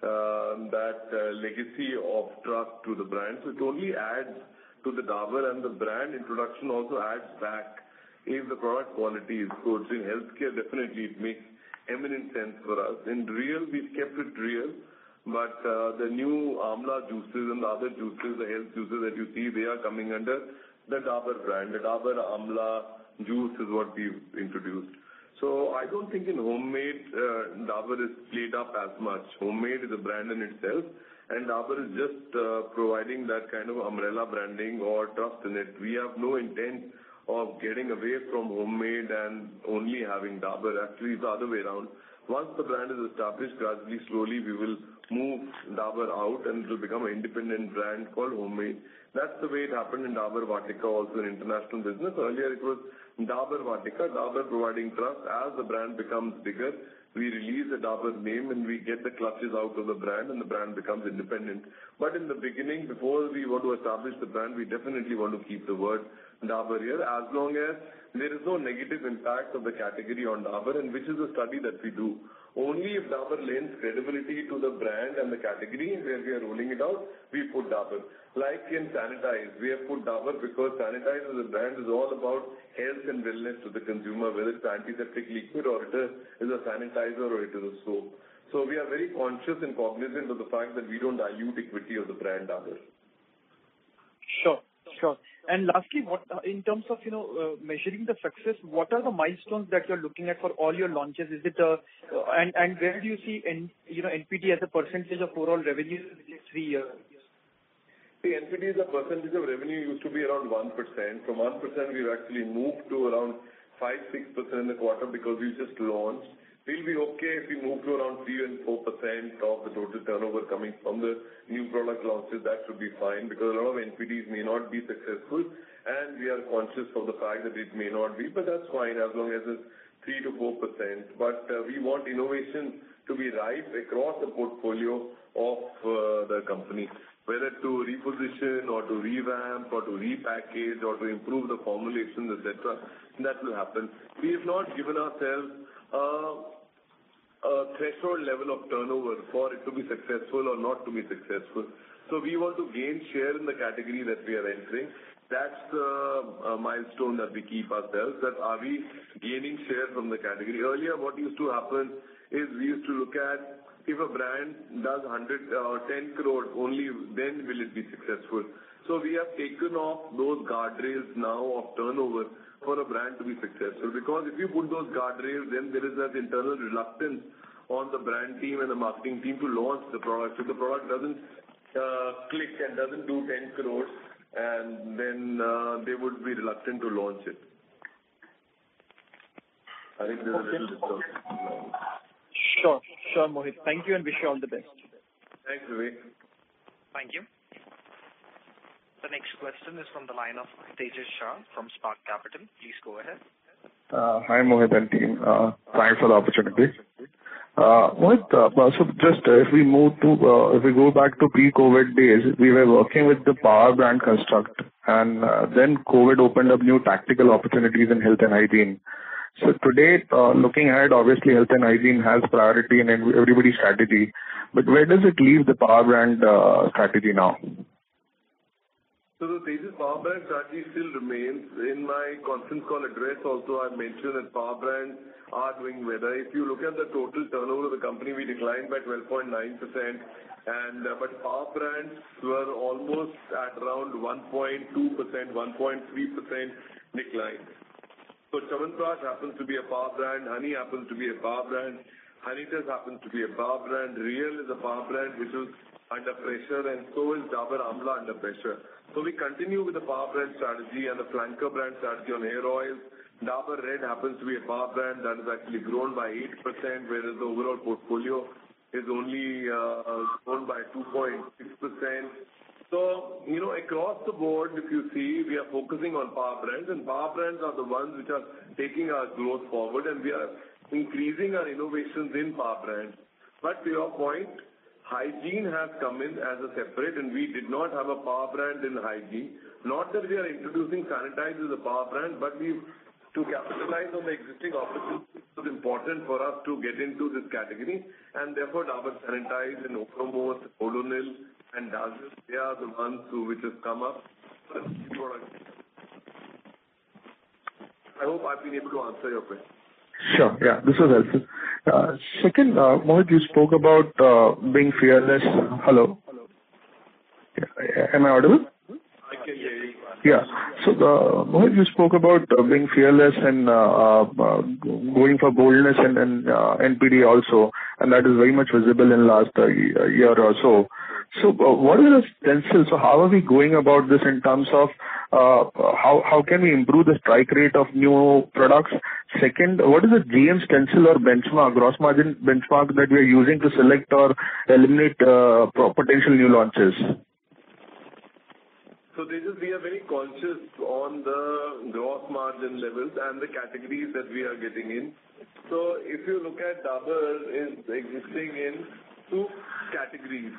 S3: that legacy of trust to the brand. It only adds to the Dabur, and the brand introduction also adds back if the product quality is good. In healthcare, definitely it makes eminent sense for us. In Réal, we've kept it Réal, but the new Amla juices and the other juices, the health juices that you see, they are coming under the Dabur brand. The Dabur Amla Juice is what we've introduced. I don't think in Hommade Dabur is played up as much. Hommade is a brand in itself, and Dabur is just providing that kind of umbrella branding or trust in it. We have no intent of getting away from Hommade and only having Dabur. Actually, it's the other way around. Once the brand is established gradually, slowly, we will move Dabur out, and it will become an independent brand called Hommade. That's the way it happened in Dabur Vatika, also in international business. Earlier it was Dabur Vatika, Dabur providing trust. As the brand becomes bigger, we release the Dabur's name, and we get the clutches out of the brand, and the brand becomes independent. In the beginning, before we want to establish the brand, we definitely want to keep the word Dabur here. As long as there is no negative impact of the category on Dabur, and which is a study that we do. Only if Dabur lends credibility to the brand and the category where we are rolling it out. We put Dabur. Like in Sanitize, we have put Dabur because Sanitize as a brand is all about health and wellness to the consumer, whether it's antiseptic liquid or it is a sanitizer or it is a soap. We are very conscious and cognizant of the fact that we don't dilute equity of the brand Dabur.
S10: Sure. Lastly, in terms of measuring the success, what are the milestones that you're looking at for all your launches? Where do you see NPD as a percentage of overall revenue in the next three years?
S3: The NPD as a percentage of revenue used to be around 1%. From 1%, we've actually moved to around 5%-6% in the quarter because we just launched. We'll be okay if we move to around 3% and 4% of the total turnover coming from the new product launches. That should be fine, because a lot of NPDs may not be successful, and we are conscious of the fact that it may not be, that's fine as long as it's 3%-4%. We want innovation to be right across the portfolio of the company, whether to reposition or to revamp or to repackage or to improve the formulations, et cetera. That will happen. We have not given ourselves a threshold level of turnover for it to be successful or not to be successful. We want to gain share in the category that we are entering. That's the milestone that we give ourselves, that are we gaining share from the category? Earlier, what used to happen is we used to look at if a brand does 100 or 10 crore only, will it be successful. We have taken off those guardrails now of turnover for a brand to be successful. If you put those guardrails, then there is that internal reluctance on the brand team and the marketing team to launch the product. If the product doesn't click and doesn't do 10 crore, they would be reluctant to launch it. I think there's a little disturbance now.
S10: Sure, Mohit. Thank you, and wish you all the best.
S3: Thanks, Vivek.
S1: Thank you. The next question is from the line of Tejas Shah from Spark Capital. Please go ahead.
S11: Hi, Mohit and team. Thanks for the opportunity. Mohit, just if we go back to pre-COVID days, we were working with the power brand construct, and then COVID opened up new tactical opportunities in health and hygiene. To date, looking at it, obviously health and hygiene has priority in everybody's strategy. Where does it leave the power brand strategy now?
S3: Tejas, power brand strategy still remains. In my conference call address also, I mentioned that power brands are doing better. If you look at the total turnover of the company, we declined by 12.9%, but power brands were almost at around 1.2%, 1.3% decline. Chyawanprash happens to be a power brand. Honey happens to be a power brand. Honitus happens to be a power brand. Réal is a power brand which is under pressure, and so is Dabur Amla under pressure. We continue with the power brand strategy and the flanker brand strategy on hair oils. Dabur Red happens to be a power brand that has actually grown by 8%, whereas the overall portfolio has only grown by 2.6%. Across the board, if you see, we are focusing on power brands, and power brands are the ones which are taking our growth forward, and we are increasing our innovations in power brands. To your point, hygiene has come in as a separate, and we did not have a power brand in hygiene. Not that we are introducing Sanitize as a power brand, but to capitalize on the existing opportunities, it was important for us to get into this category, and therefore, Dabur Sanitize and Odomos, Odonil, and Dazzl, they are the ones which have come up as new products. I hope I've been able to answer your question.
S11: Sure. Yeah. This was helpful. Second, Mohit, you spoke about being fearless. Hello? Am I audible?
S3: I can hear you.
S11: Mohit, you spoke about being fearless and going for boldness and NPD also, and that is very much visible in last year or so. What are the stencils? How are we going about this in terms of how can we improve the strike rate of new products? Second, what is the GM stencil or benchmark, gross margin benchmark that we are using to select or eliminate potential new launches?
S3: Tejas, we are very conscious on the gross margin levels and the categories that we are getting in. If you look at Dabur is existing in two categories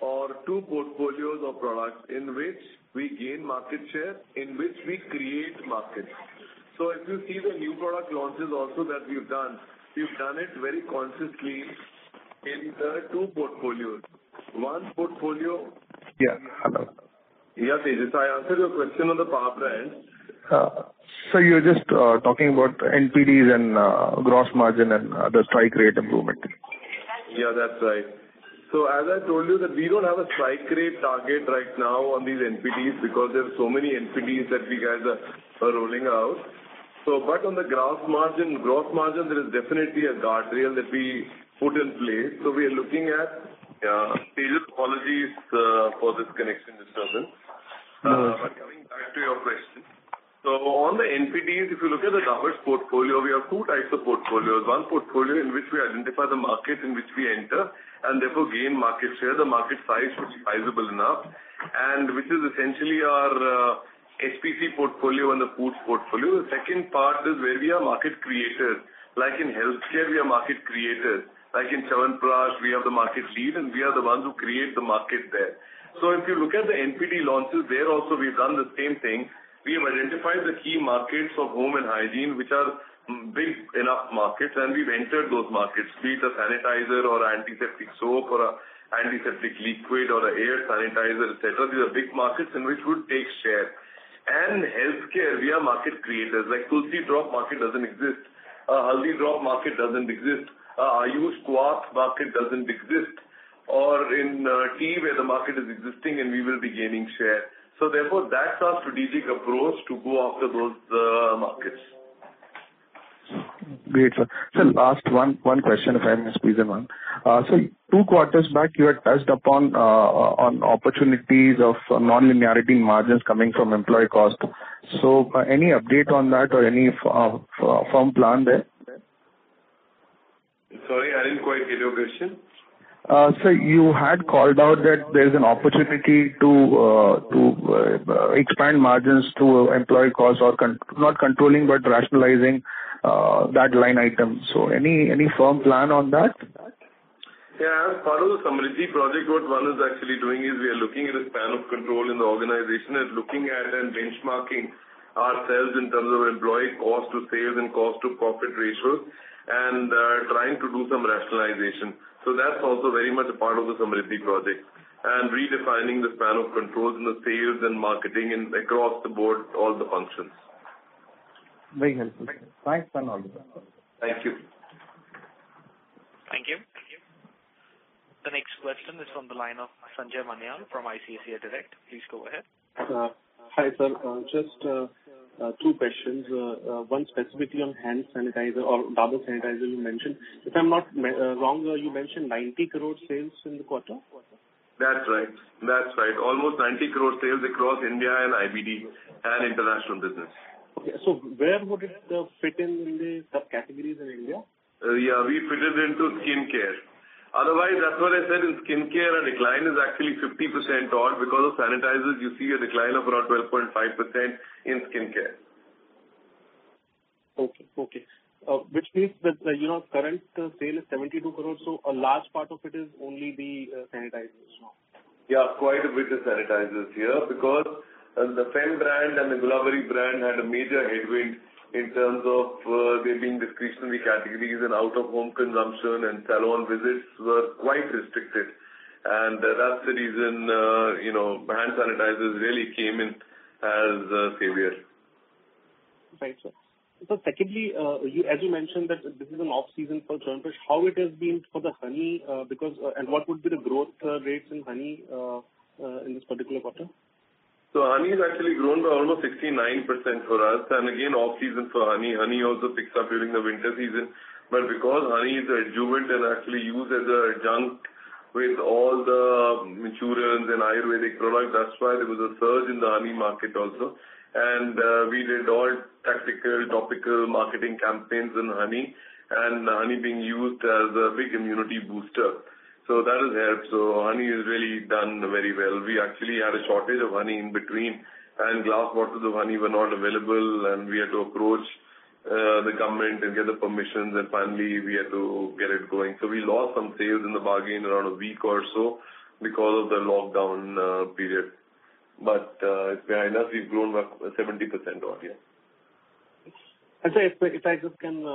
S3: or two portfolios of products in which we gain market share, in which we create markets. If you see the new product launches also that we've done, we've done it very consciously in the two portfolios. One portfolio.
S11: Yeah. Hello.
S3: Yeah, Tejas, I answered your question on the power brands.
S11: Sir, you were just talking about NPD and gross margin and the strike rate improvement.
S3: Yeah, that's right. As I told you that we don't have a strike rate target right now on these NPDs because there are so many NPDs that we guys are rolling out. On the gross margin, there is definitely a guardrail that we put in place. We are looking at Tejas, apologies for this connection disturbance.
S11: No worries.
S3: Coming back to your question. On the NPDs, if you look at the Dabur's portfolio, we have two types of portfolios. One portfolio in which we identify the markets in which we enter, and therefore gain market share. The market size should be sizable enough, and which is essentially our HPC portfolio and the foods portfolio. The second part is where we are market creators. Like in healthcare, we are market creators. Like in Chyawanprash, we have the market lead, and we are the ones who create the market there. If you look at the NPD launches, there also, we've done the same thing. We have identified the key markets of home and hygiene, which are big enough markets, and we've entered those markets. Be it a sanitizer or antiseptic soap or an antiseptic liquid or an air sanitizer, et cetera. These are big markets in which we'd take share. Healthcare, we are market creators. Tulsi Drops market doesn't exist. Haldi Drops market doesn't exist. Ayush Kwath market doesn't exist. In tea, where the market is existing, and we will be gaining share. Therefore, that's our strategic approach to go after those markets.
S11: Great, sir. Sir, last one question, if I may squeeze them in. Sir, two quarters back, you had touched upon opportunities of non-linearity margins coming from employee cost. Any update on that or any firm plan there?
S3: Sorry, I didn't quite get your question.
S11: Sir, you had called out that there is an opportunity to expand margins to employee costs, not controlling, but rationalizing that line item. Any firm plan on that?
S3: As part of the Samriddhi Project, what one is actually doing is we are looking at a span of control in the organization and looking at and benchmarking ourselves in terms of employee cost to sales and cost to profit ratios, and trying to do some rationalization. That's also very much a part of the Samriddhi Project, and redefining the span of controls in the sales and marketing and across the board, all the functions.
S11: Very helpful, sir. Thanks a lot.
S3: Thank you.
S1: Thank you. The next question is on the line of Sanjay Manyal from ICICI Direct. Please go ahead.
S12: Hi, sir. Just two questions. One specifically on hand sanitizer or Dabur Sanitize you mentioned. If I'm not wrong, you mentioned 90 crore sales in the quarter.
S3: That's right. Almost 90 crore sales across India and IBD and international business.
S12: Okay. Where would it fit in the subcategories in India?
S3: Yeah, we fitted into skin care. That's what I said, in skin care, our decline is actually 50% odd because of sanitizers, you see a decline of around 12.5% in skin care.
S12: Okay. Which means that current sale is 72 crore, so a large part of it is only the sanitizers now.
S3: Yeah, quite a bit the sanitizers here, because the Fem brand and the Gulabari brand had a major headwind in terms of they being discretionary categories and out-of-home consumption and salon visits were quite restricted. That's the reason hand sanitizers really came in as a savior.
S12: Right, sir. Sir, secondly, as you mentioned that this is an off-season for Chyawanprash, how it has been for the Honey, and what would be the growth rates in Honey in this particular quarter?
S3: Honey has actually grown by almost 69% for us. Again, off-season for honey. Honey also picks up during the winter season. Because honey is adjuvant and actually used as an adjunct with all the Matru and Ayurvedic products, that's why there was a surge in the honey market also. We did all tactical, topical marketing campaigns on Honey, and honey being used as a big immunity booster. That has helped. Honey has really done very well. We actually had a shortage of Honey in between, and glass bottles of Honey were not available, and we had to approach the government and get the permissions, and finally, we had to get it going. We lost some sales in the bargain around a week or so because of the lockdown period. Fair enough, we've grown by 70% odd, yeah.
S12: Sir, if I just can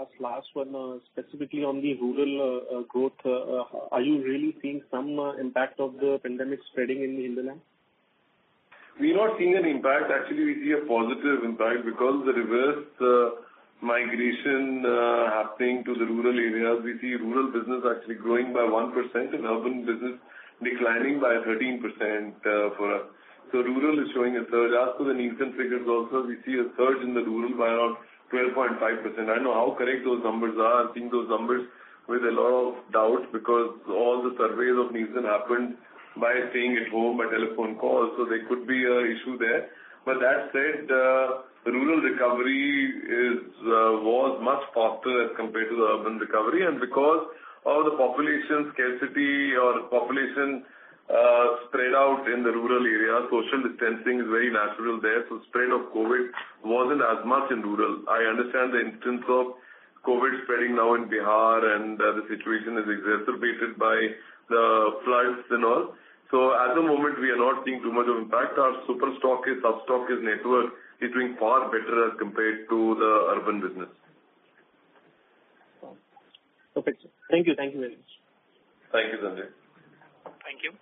S12: ask last one, specifically on the rural growth, are you really seeing some impact of the pandemic spreading in the hinterland?
S3: We're not seeing an impact. Actually, we see a positive impact because the reverse migration happening to the rural areas, we see rural business actually growing by 1% and urban business declining by 13% for us. Rural is showing a surge. As to the Nielsen figures also, we see a surge in the rural by around 12.5%. I don't know how correct those numbers are. I'm seeing those numbers with a lot of doubt because all the surveys of Nielsen happened by staying at home by telephone call. There could be an issue there. That said, rural recovery was much faster as compared to the urban recovery. Because all the population scarcity or population spread out in the rural areas, social distancing is very natural there. Spread of COVID wasn't as much in rural. I understand the instance of COVID spreading now in Bihar and the situation is exacerbated by the floods and all. At the moment, we are not seeing too much of impact. Our super stockist, sub-stockist network is doing far better as compared to the urban business.
S12: Okay, sir. Thank you very much.
S3: Thank you, Sanjay.
S1: Thank you.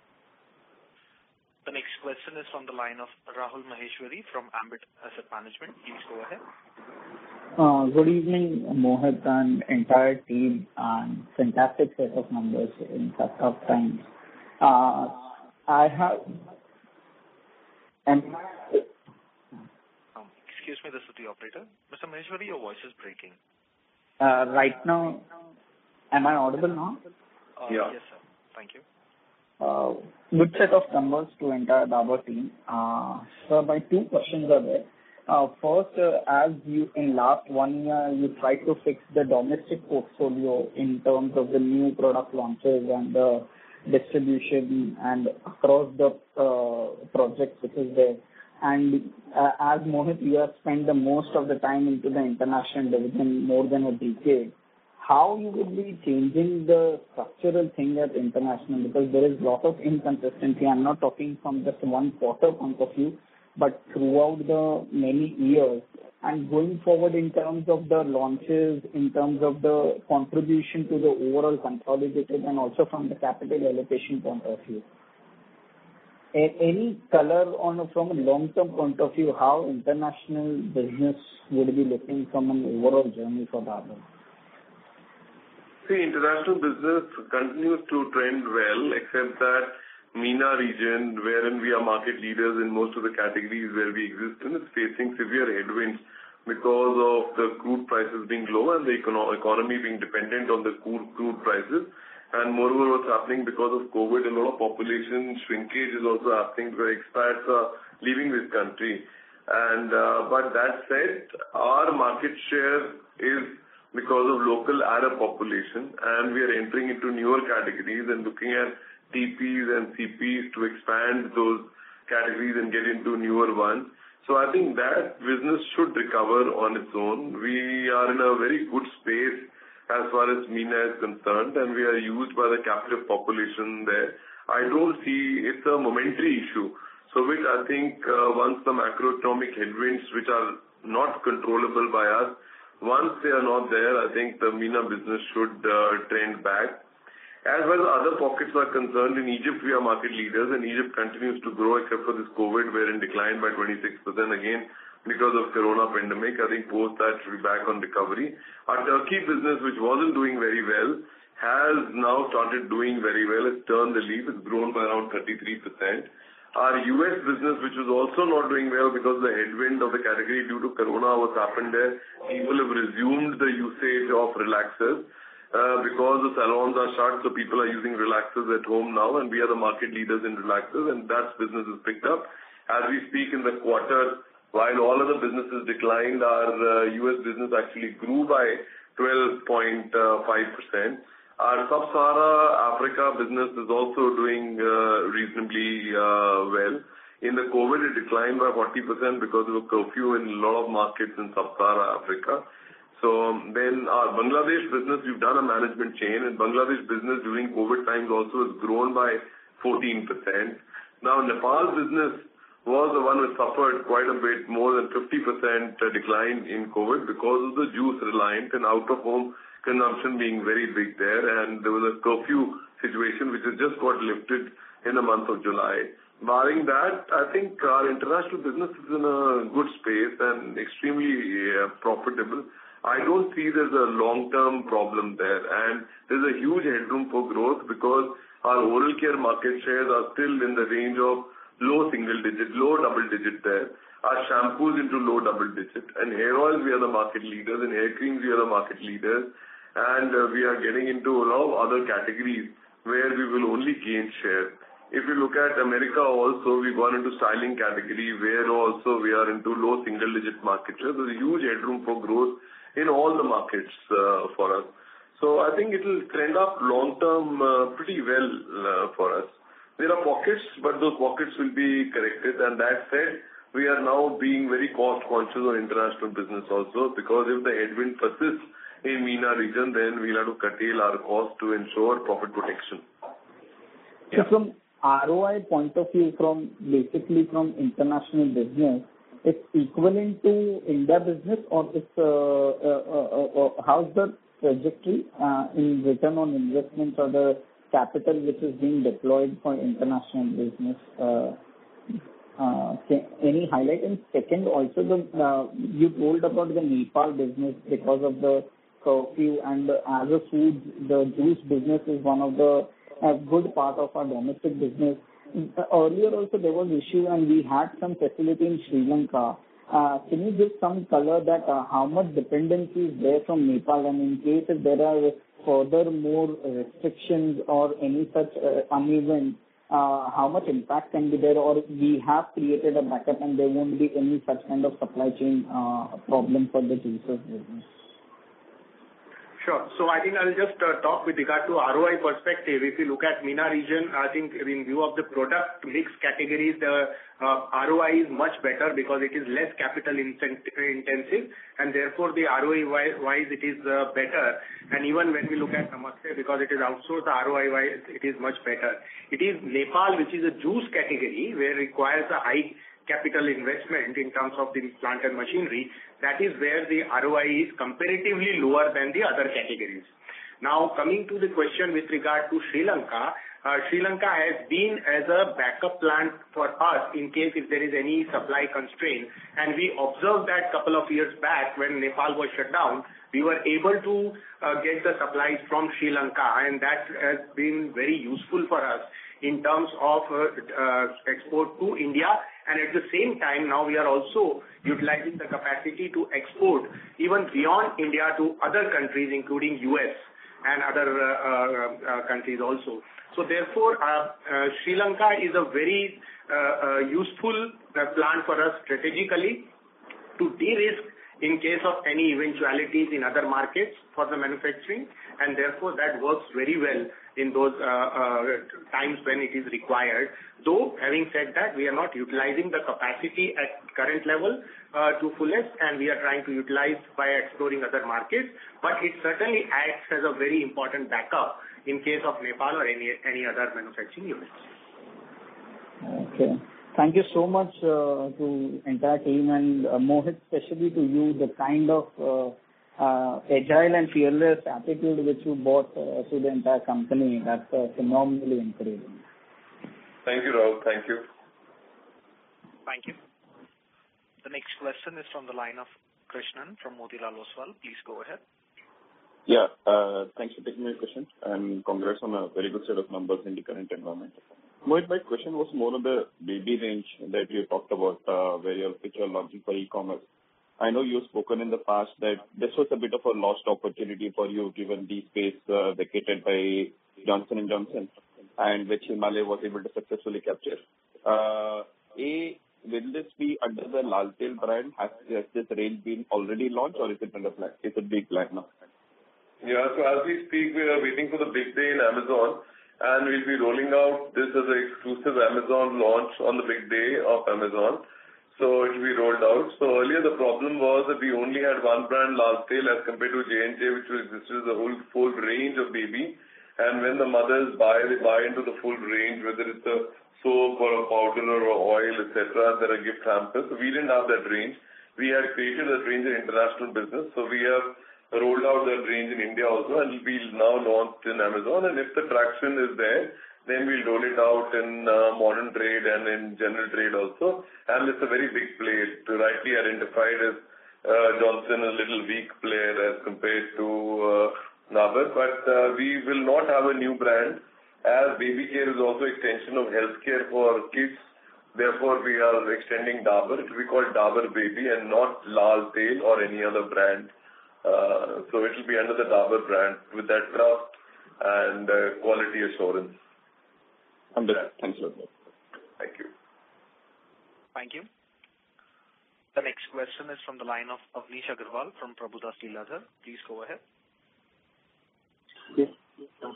S1: The next question is on the line of Rahul Maheshwari from Ambit Asset Management. Please go ahead.
S13: Good evening, Mohit and entire team on fantastic set of numbers in such tough times. I have.
S1: Excuse me, this is the operator. Mr. Maheshwari, your voice is breaking.
S13: Right now, am I audible now?
S3: Yeah.
S1: Yes, sir. Thank you.
S13: Good set of numbers to entire Dabur team. Sir, my two questions are there. First, as in last one year, you tried to fix the domestic portfolio in terms of the new product launches and the distribution and across the projects which is there, and as Mohit, you have spent the most of the time into the international division, more than a decade, how you would be changing the structural thing at international, because there is lot of inconsistency. I'm not talking from just one quarter point of view, but throughout the many years. Going forward in terms of the launches, in terms of the contribution to the overall consolidated and also from the capital allocation point of view. Any color from a long-term point of view, how international business would be looking from an overall journey for Dabur?
S3: International business continues to trend well, except that MENA region, wherein we are market leaders in most of the categories where we exist in, is facing severe headwinds because of the crude prices being low and the economy being dependent on the crude prices. Moreover, what's happening because of COVID, a lot of population shrinkage is also happening where expats are leaving this country. That said, our market share is because of local Arab population, and we are entering into newer categories and looking at TPs and CPs to expand those categories and get into newer ones. I think that business should recover on its own. We are in a very good space as far as MENA is concerned, and we are used by the captive population there. It's a momentary issue. Which I think once the macro-economic headwinds, which are not controllable by us, once they are not there, I think the MENA business should trend back. As well as other pockets are concerned, in Egypt, we are market leaders, and Egypt continues to grow except for this COVID wherein declined by 26% again because of corona pandemic. I think post that should be back on recovery. Our Turkey business, which wasn't doing very well, has now started doing very well. It's turned the leaf. It's grown by around 33%. Our U.S. business, which was also not doing well because the headwind of the category due to corona, what's happened there, people have resumed the usage of relaxers. Because the salons are shut, so people are using relaxers at home now, and we are the market leaders in relaxers, and that business has picked up. As we speak in the quarter, while all other businesses declined, our U.S. business actually grew by 12.5%. Our Sub-Sahara Africa business is also doing reasonably well. In the COVID, it declined by 40% because of the curfew in a lot of markets in Sub-Sahara Africa. Our Bangladesh business, we've done a management change, and Bangladesh business during COVID times also has grown by 14%. Nepal's business was the one which suffered quite a bit, more than 50% decline in COVID because of the juice reliant and out-of-home consumption being very big there, and there was a curfew situation which has just got lifted in the month of July. Barring that, I think our international business is in a good space and extremely profitable. I don't see there's a long-term problem there. There's a huge headroom for growth because our oral care market shares are still in the range of low single digit, low double digit there. Our shampoo is into low double digit. In hair oils, we are the market leaders. In hair creams, we are the market leaders. We are getting into a lot of other categories where we will only gain share. If you look at America also, we've gone into styling category, where also we are into low single-digit market share. There's a huge headroom for growth in all the markets for us. I think it will trend up long-term pretty well for us. There are pockets, but those pockets will be corrected, and that said, we are now being very cost-conscious on international business also, because if the headwind persists in MENA region, then we'll have to curtail our cost to ensure profit protection.
S13: From ROI point of view, basically from international business, it is equivalent to India business or how is the trajectory in return on investment or the capital which is being deployed for international business? Any highlight? Second, also you told about the Nepal business because of the curfew and Agro foods, the juice business is one of the good part of our domestic business. Earlier also there was issue and we had some facility in Sri Lanka. Can you give some color that how much dependency is there from Nepal and in case if there are further more restrictions or any such uneven, how much impact can be there? We have created a backup and there won't be any such kind of supply chain problem for the juices business.
S14: I think I'll just talk with regard to ROI perspective. If you look at MENA region, I think in view of the product mix categories, the ROI is much better because it is less capital-intensive, and therefore the ROI-wise it is better. Even when we look at Namaste, because it is outsourced, the ROI-wise it is much better. It is Nepal, which is a juice category, where it requires a high capital investment in terms of the plant and machinery. That is where the ROI is comparatively lower than the other categories. Coming to the question with regard to Sri Lanka. Sri Lanka has been as a backup plan for us in case if there is any supply constraint. We observed that couple of years back when Nepal was shut down, we were able to get the supplies from Sri Lanka, and that has been very useful for us in terms of export to India. At the same time, now we are also utilizing the capacity to export even beyond India to other countries, including U.S. and other countries also. Therefore, Sri Lanka is a very useful plan for us strategically to de-risk in case of any eventualities in other markets for the manufacturing, and therefore, that works very well in those times when it is required. Having said that, we are not utilizing the capacity at current level to fullest, and we are trying to utilize by exploring other markets. It certainly acts as a very important backup in case of Nepal or any other manufacturing units.
S13: Okay. Thank you so much to entire team and Mohit, especially to you, the kind of agile and fearless attitude which you brought to the entire company, that's phenomenally incredible.
S3: Thank you, Rahul. Thank you.
S1: Thank you. The next question is from the line of Krishnan from Motilal Oswal. Please go ahead.
S15: Yeah. Thanks for taking my question, and congrats on a very good set of numbers in the current environment. Mohit, my question was more on the baby range that you talked about, where you're looking for e-commerce. I know you've spoken in the past that this was a bit of a lost opportunity for you given the space vacated by Johnson & Johnson and which Himalaya was able to successfully capture. A, will this be under the Lal Tail brand? Has this range been already launched or is it under plan? It's a big plan now.
S3: Yeah. As we speak, we are waiting for the big day in Amazon, and we'll be rolling out this as an exclusive Amazon launch on the big day of Amazon. It'll be rolled out. Earlier, the problem was that we only had one brand, Lal Tail, as compared to J&J, which existed as a whole full range of baby. When the mothers buy, they buy into the full range, whether it's a soap or a powder or oil, et cetera, there are gift hampers. We didn't have that range. We had created that range in international business, so we have rolled out that range in India also, and it'll be now launched in Amazon. If the traction is there, then we'll roll it out in modern trade and in general trade also. It's a very big play. Rightly identified as Johnson, a little weak player as compared to Dabur, but we will not have a new brand as baby care is also extension of healthcare for kids. Therefore, we are extending Dabur. It will be called Dabur Baby and not Lal Tail or any other brand. It will be under the Dabur brand with that craft and quality assurance.
S15: Understood. Thanks a lot.
S3: Thank you.
S1: Thank you. The next question is from the line of Amnish Aggarwal from Prabhudas Lilladher. Please go ahead.
S16: Yes.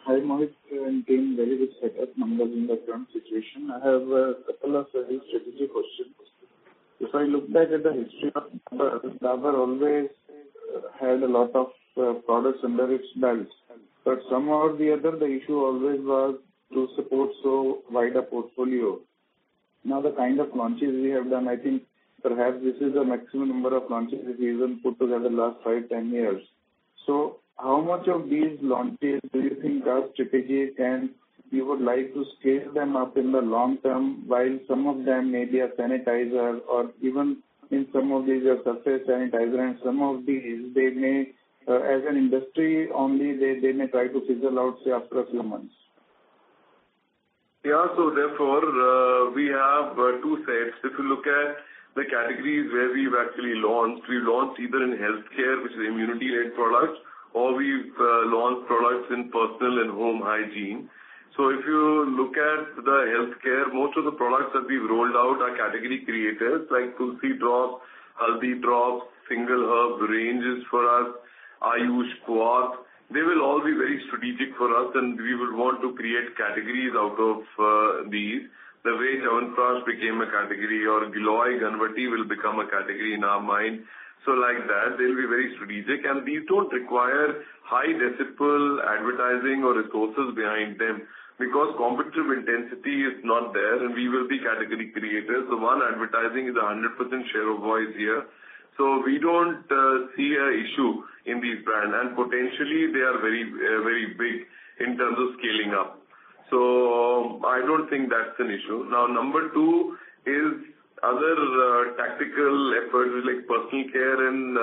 S16: Hi, Mohit and team. Very good set of numbers in the current situation. I have a couple of very strategic questions. If I look back at the history of Dabur always had a lot of products under its belts. Somehow or the other, the issue always was to support so wide a portfolio. The kind of launches we have done, I think perhaps this is the maximum number of launches that we even put together last five, ten years. How much of these launches do you think are strategic and you would like to scale them up in the long term while some of them may be a sanitizer or even in some of these are surface sanitizer and some of these, they may, as an industry only, they may try to fizzle out, say, after a few months.
S3: Yeah. Therefore, we have two sets. If you look at the categories where we've actually launched, we've launched either in healthcare, which is immunity-led products, or we've launched products in personal and home hygiene. If you look at the healthcare, most of the products that we've rolled out are category creators like Tulsi Drops, Haldi Drops, single herb ranges for us, Ayush Kwath. They will all be very strategic for us, and we would want to create categories out of these. The way Chyawanprash became a category or Giloy Ghanvati will become a category in our mind. Like that, they'll be very strategic. These don't require high decibel advertising or resources behind them because competitive intensity is not there, and we will be category creators. One, advertising is 100% share of voice here. We don't see an issue in these brand, and potentially they are very big in terms of scaling up. I don't think that's an issue. Now, number two is other tactical efforts like personal care and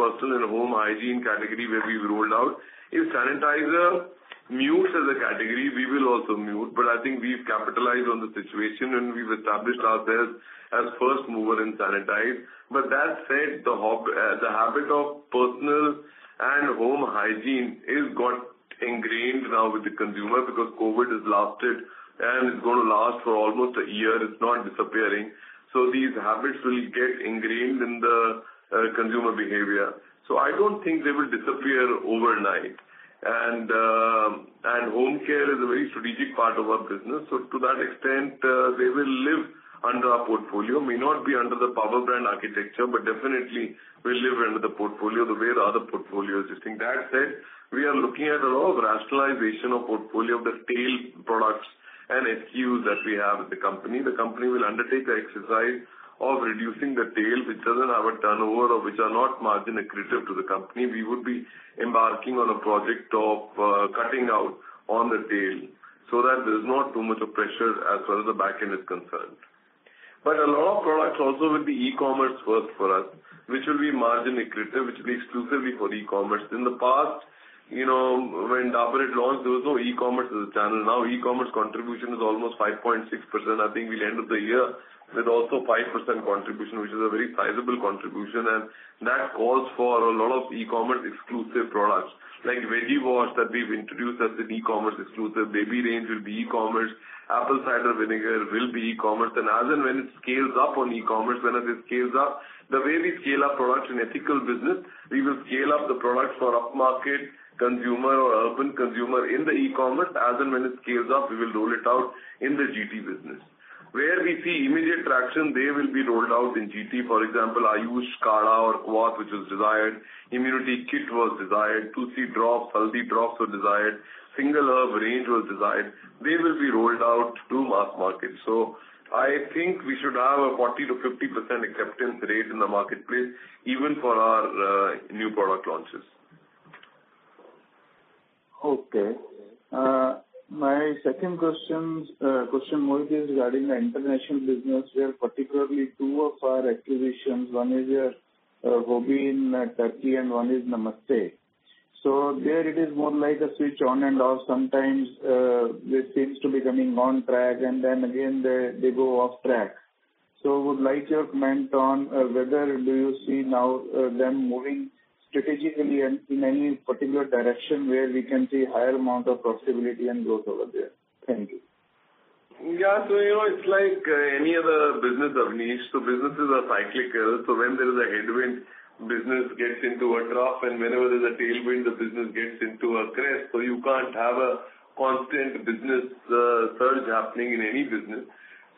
S3: personal and home hygiene category where we've rolled out. If sanitizer mutes as a category, we will also mute. I think we've capitalized on the situation, and we've established ourselves as first mover in Dabur Sanitize. That said, the habit of personal and home hygiene is got ingrained now with the consumer because COVID-19 has lasted and it's going to last for almost one year. It's not disappearing. These habits will get ingrained in the consumer behavior. I don't think they will disappear overnight. Home care is a very strategic part of our business. To that extent, they will live under our portfolio, may not be under the Dabur brand architecture, but definitely will live under the portfolio the way the other portfolio is sitting. That said, we are looking at a lot of rationalization of portfolio of the tail products and SKUs that we have with the company. The company will undertake the exercise of reducing the tail, which doesn't have a turnover or which are not margin accretive to the company. We would be embarking on a project of cutting out on the tail so that there's not too much of pressure as far as the back end is concerned. A lot of products also with the e-commerce work for us, which will be margin accretive, which will be exclusively for e-commerce. In the past, when Dabur had launched, there was no e-commerce as a channel. E-commerce contribution is almost 5.6%. I think we'll end up the year with also 5% contribution, which is a very sizable contribution, and that calls for a lot of e-commerce exclusive products. Veggie Wash that we've introduced as an e-commerce exclusive, Baby range will be e-commerce, apple cider vinegar will be e-commerce. As and when it scales up on e-commerce, when it scales up, the way we scale up products in ethical business, we will scale up the products for upmarket consumer or urban consumer in the e-commerce. As and when it scales up, we will roll it out in the GT business. Where we see immediate traction, they will be rolled out in GT. For example, Ayush Kadha or Kwath, which was desired. Immunity Kit was desired. Tulsi Drops, Haldi Drops were desired. Single herb range was desired. They will be rolled out to mass market. I think we should have a 40%-50% acceptance rate in the marketplace, even for our new product launches.
S16: Okay. My second question, Mohit, is regarding the international business, where particularly two of our acquisitions, one is our Hobby in Turkey and one is Namaste. There it is more like a switch on and off. Sometimes, it seems to be coming on track, and then again, they go off track. I would like your comment on whether do you see now them moving strategically and in any particular direction where we can see higher amount of profitability and growth over there. Thank you.
S3: Yeah. It's like any other business, Amnish. Businesses are cyclical. When there is a headwind, business gets into a trough, and whenever there's a tailwind, the business gets into a crest. You can't have a constant business surge happening in any business.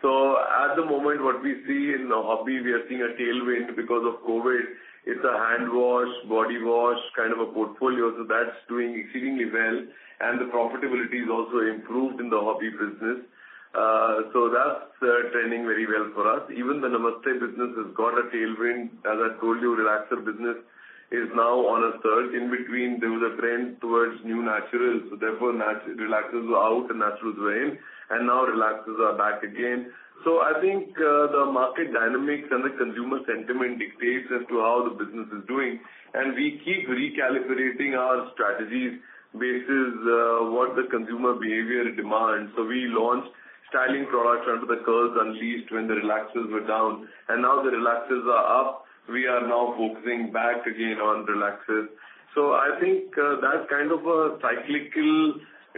S3: At the moment, what we see in the Hobby, we are seeing a tailwind because of COVID. It's a hand wash, body wash kind of a portfolio. That's doing exceedingly well, and the profitability is also improved in the Hobby business. That's trending very well for us. Even the Namaste business has got a tailwind. As I told you, relaxer business is now on a surge. In between, there was a trend towards new naturals, so therefore, relaxers were out and naturals were in, and now relaxers are back again. I think, the market dynamics and the consumer sentiment dictates as to how the business is doing, and we keep recalibrating our strategies basis what the consumer behavior demands. We launched styling products under the Curls Unleashed when the relaxers were down, and now the relaxers are up. We are now focusing back again on relaxers. I think that kind of a cyclical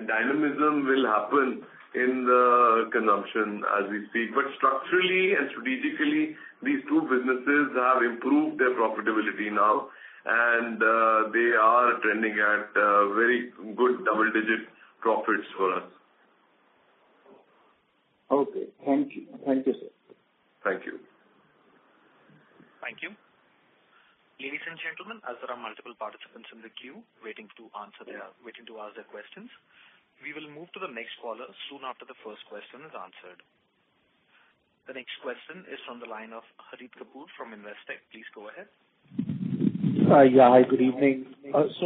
S3: dynamism will happen in the consumption as we speak. Structurally and strategically, these two businesses have improved their profitability now, and they are trending at very good double-digit profits for us.
S16: Okay. Thank you, sir.
S3: Thank you.
S1: Thank you. Ladies and gentlemen, as there are multiple participants in the queue waiting to ask their questions, we will move to the next caller soon after the first question is answered. The next question is from the line of Harit Kapoor from Investec. Please go ahead.
S17: Yeah. Hi, good evening.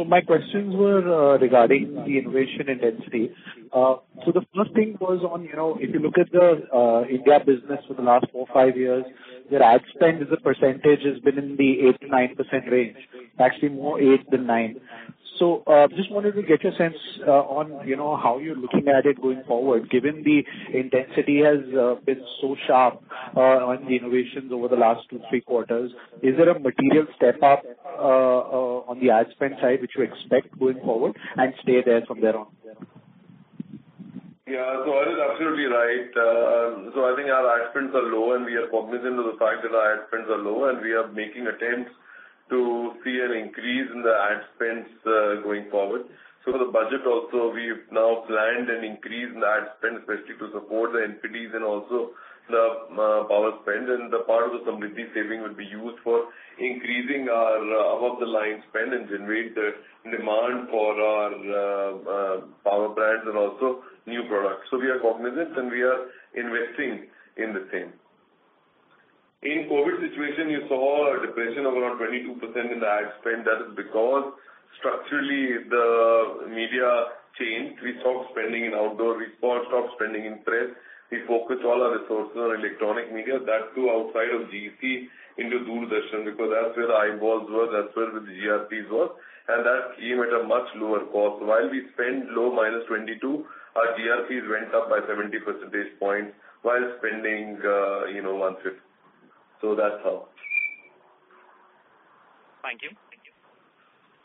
S17: My questions were regarding the innovation intensity. The first thing was on, if you look at the India business for the last four or five years, your ad spend as a percentage has been in the 8%-9% range, actually more eight than nine. Just wanted to get your sense on how you're looking at it going forward, given the intensity has been so sharp on the innovations over the last two, three quarters. Is there a material step-up on the ad spend side, which you expect going forward and stay there from there on?
S3: Yeah. That is absolutely right. I think our ad spends are low, and we are cognizant of the fact that our ad spends are low, and we are making attempts to see an increase in the ad spends going forward. The budget also, we've now planned an increase in ad spend, especially to support the entities and also the power spend. The part of the Samriddhi saving will be used for increasing our above-the-line spend and generate the demand for our power brands and also new products. We are cognizant, and we are investing in the same. In COVID situation, you saw a depression of around 22% in the ad spend. That is because structurally, the media changed. We stopped spending in outdoor. We stopped spending in press. We focused all our resources on electronic media. That too, outside of GEC into Doordarshan, because that's where the eyeballs were, that's where the GRPs were, and that came at a much lower cost. While we spend low -22%, our GRPs went up by 70 percentage points while spending one-fifth. That's how.
S17: Thank you.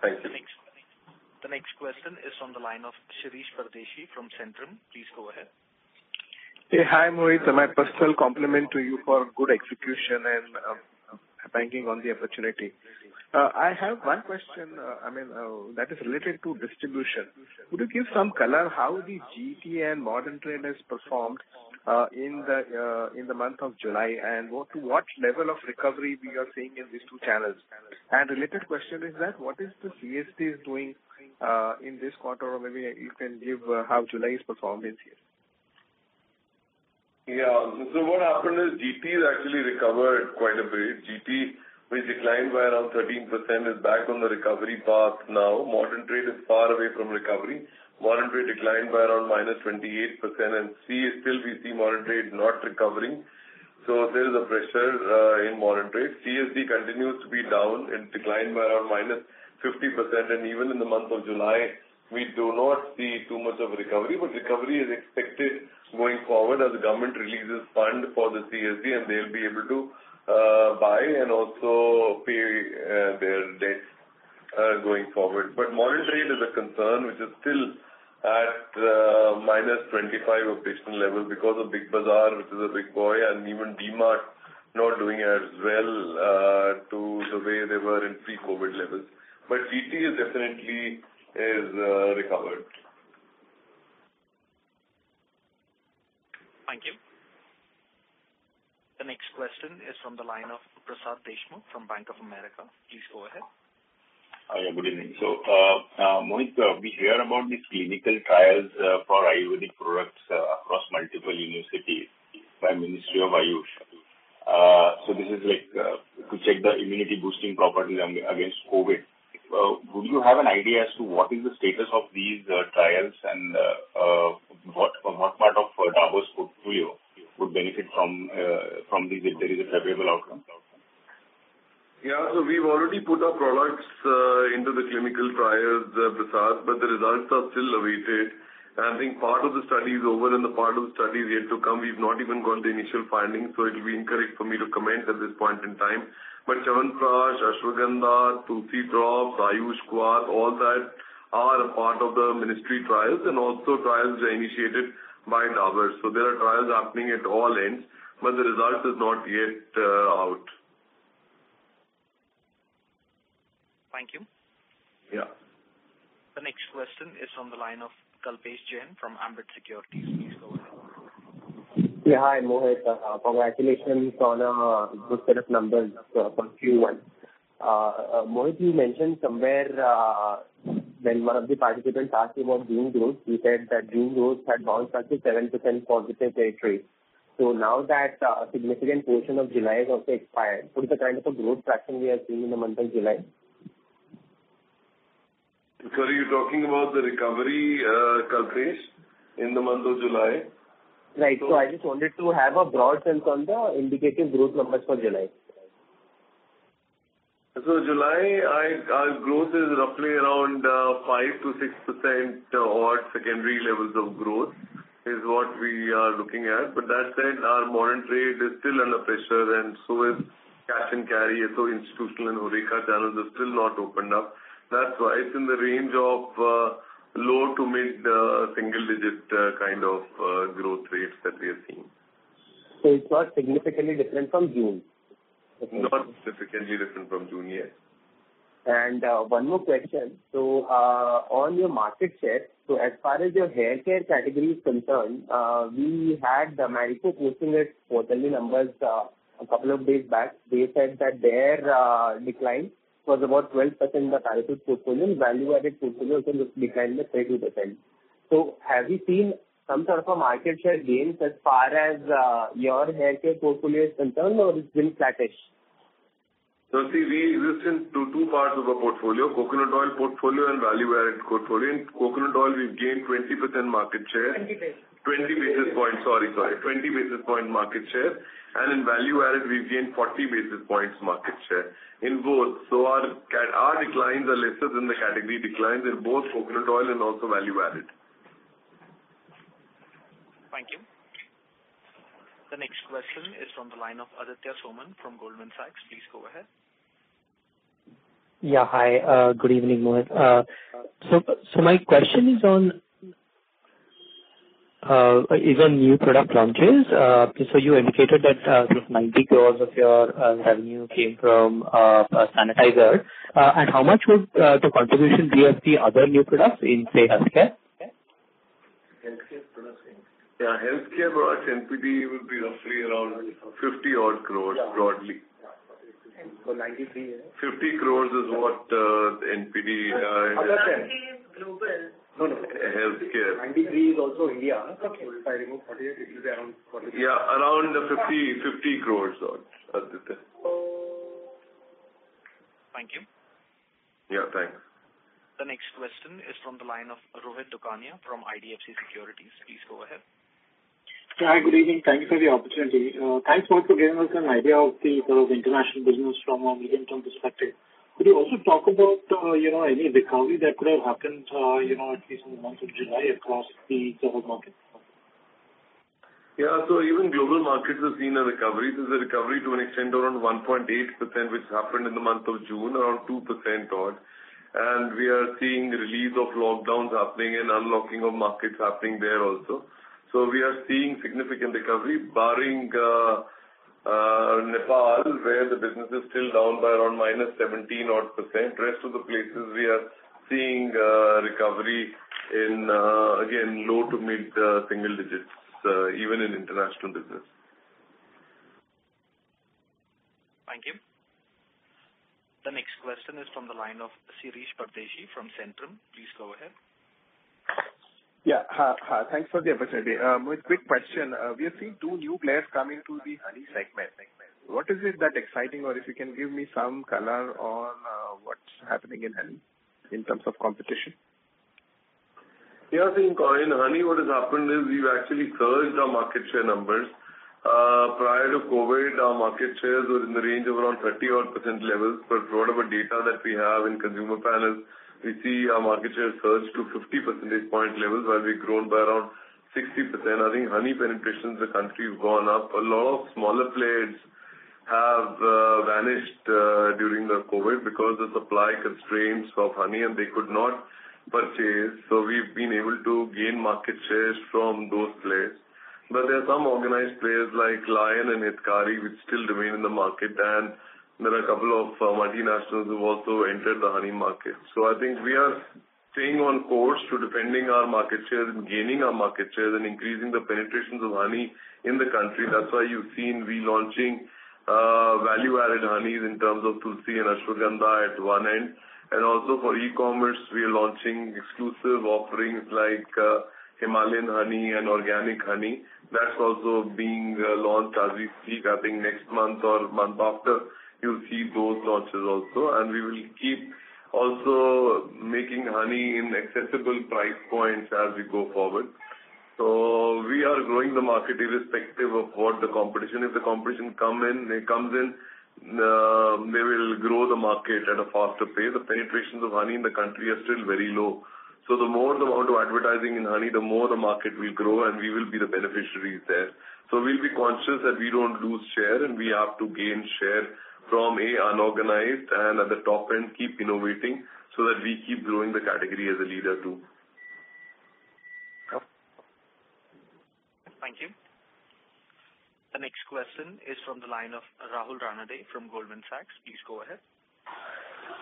S3: Thank you.
S1: The next question is from the line of Shirish Pardeshi from Centrum. Please go ahead.
S18: Hey. Hi, Mohit. My personal compliment to you for good execution and banking on the opportunity. I have one question that is related to distribution. Could you give some color how the GT and modern trade has performed in the month of July, and what level of recovery we are seeing in these two channels? Related question is that what is the CSD doing in this quarter? Maybe you can give how July has performed in here.
S3: What happened is GT has actually recovered quite a bit. GT, which declined by around 13%, is back on the recovery path now. Modern trade is far away from recovery. Modern trade declined by around -28%, still we see modern trade not recovering. There is a pressure in modern trade. CSD continues to be down. It declined by around -50%, even in the month of July, we do not see too much of a recovery. Recovery is expected going forward as the government releases fund for the CSD, they'll be able to buy and also pay their debts going forward. Modern trade is a concern, which is still at -25% of baseline level because of Big Bazaar, which is a big boy, and even DMart not doing as well the way they were in pre-COVID levels. GT is definitely recovered.
S1: Thank you. The next question is from the line of Prasad Deshmukh from Bank of America. Please go ahead.
S19: Good evening. Mohit, we hear about these clinical trials for Ayurvedic products across multiple universities by Ministry of AYUSH. This is to check the immunity boosting properties against COVID-19. Would you have an idea as to what is the status of these trials and what part of Dabur's portfolio would benefit from these if there is a favorable outcome?
S3: We've already put our products into the clinical trials, Prasad, but the results are still awaited. I think part of the study is over and the part of the study is yet to come. We've not even got the initial findings, it'll be incorrect for me to comment at this point in time. Chyawanprash, Ashwagandha, Tulsi Drops, Ayush Kwath, all that are a part of the Ministry trials and also trials are initiated by Dabur. There are trials happening at all ends, the result is not yet out.
S1: Thank you.
S3: Yeah.
S1: The next question is on the line of Kalpesh Jain from Ambit Capital. Please go ahead.
S20: Yeah. Hi, Mohit. Congratulations on a good set of numbers for Q1. Mohit, you mentioned somewhere, when one of the participants asked you about June growth, you said that June growth had bounced up to 7% positive territory. Now that a significant portion of July has also expired, what is the kind of a growth traction we are seeing in the month of July?
S3: Sorry, you're talking about the recovery, Kalpesh, in the month of July?
S20: Right. I just wanted to have a broad sense on the indicative growth numbers for July.
S3: July, our growth is roughly around 5% to 6% odd secondary levels of growth, is what we are looking at. That said, our modern trade is still under pressure and so is cash and carry. Institutional and HoReCa channels are still not opened up. That's why it's in the range of low to mid single digit kind of growth rates that we are seeing.
S20: It's not significantly different from June?
S3: Not significantly different from June, yeah.
S20: One more question. On your market share, as far as your hair care category is concerned, we had Marico posting its quarterly numbers a couple of days back. They said that their decline was about 12% in the hair care portfolio, value-added portfolio also declined by 32%. Have you seen some sort of a market share gains as far as your hair care portfolio is concerned, or it's been flattish?
S3: See, we listen to two parts of our portfolio, coconut oil portfolio and value-added portfolio. In coconut oil, we've gained 20% market share.
S14: 20 basis.
S3: 20 basis points. Sorry. 20 basis point market share, and in value-added, we've gained 40 basis points market share in both. Our declines are lesser than the category declines in both coconut oil and also value-added.
S1: Thank you. The next question is from the line of Aditya Soman from Goldman Sachs. Please go ahead.
S21: Hi, good evening, Mohit. My question is on new product launches. You indicated that 90 crores of your revenue came from sanitizers. How much would the contribution be of the other new products in, say, healthcare?
S3: Yeah, healthcare NPD will be roughly around 50 odd crores broadly.
S14: 93.
S3: 50 crore is what the NPD.
S14: Aditya.
S2: INR 93 is global.
S14: No.
S3: Healthcare.
S21: 93 is also India.
S14: If I remove INR 48, it will be around 40.
S3: Yeah, around 50 crore odd, Aditya.
S21: Thank you.
S3: Yeah, thanks.
S1: The next question is from the line of Rohit Dokania from IDFC Securities. Please go ahead.
S22: Hi, good evening. Thank you for the opportunity. Thanks, Mohit, for giving us an idea of the international business from a medium-term perspective. Could you also talk about any recovery that could have happened, at least in the month of July across the global markets?
S3: Even global markets have seen a recovery. It is a recovery to an extent around 1.8%, which happened in the month of June, around 2% odd. We are seeing release of lockdowns happening and unlocking of markets happening there also. We are seeing significant recovery, barring Nepal where the business is still down by around -17 odd percent. Rest of the places we are seeing recovery in, again, low to mid single digits, even in international business.
S1: Thank you. The next question is from the line of Shirish Pardeshi from Centrum. Please go ahead.
S18: Yeah. Thanks for the opportunity. Mohit, quick question. We are seeing two new players coming to the Honey segment. What is it that exciting or if you can give me some color on what's happening in honey in terms of competition?
S3: Yeah, see, in honey what has happened is we've actually surged our market share numbers. Prior to COVID, our market shares were in the range of around 30 odd% levels. Whatever data that we have in consumer panels, we see our market share surged to 50 percentage point levels where we've grown by around 60%. I think honey penetration in the country has gone up. A lot of smaller players have vanished during the COVID because of supply constraints of honey, and they could not purchase. We've been able to gain market shares from those players. There are some organized players like Lion and Hitkari, which still remain in the market, and there are a couple of multinationals who also entered the honey market. I think we are staying on course to defending our market share and gaining our market share and increasing the penetrations of honey in the country. That's why you've seen we launching value-added honeys in terms of Tulsi and Ashwagandha at one end. Also for e-commerce, we are launching exclusive offerings like Himalayan honey and organic honey. That's also being launched as we speak. I think next month or month after, you'll see those launches also. We will keep also making honey in accessible price points as we go forward. We are growing the market irrespective of what the competition. If the competition comes in, they will grow the market at a faster pace. The penetrations of honey in the country are still very low. The more the amount of advertising in honey, the more the market will grow, and we will be the beneficiaries there. We'll be conscious that we don't lose share, and we have to gain share from unorganized and at the top end, keep innovating so that we keep growing the category as a leader too.
S1: Thank you. The next question is from the line of Rahul Ranade from Goldman Sachs. Please go ahead.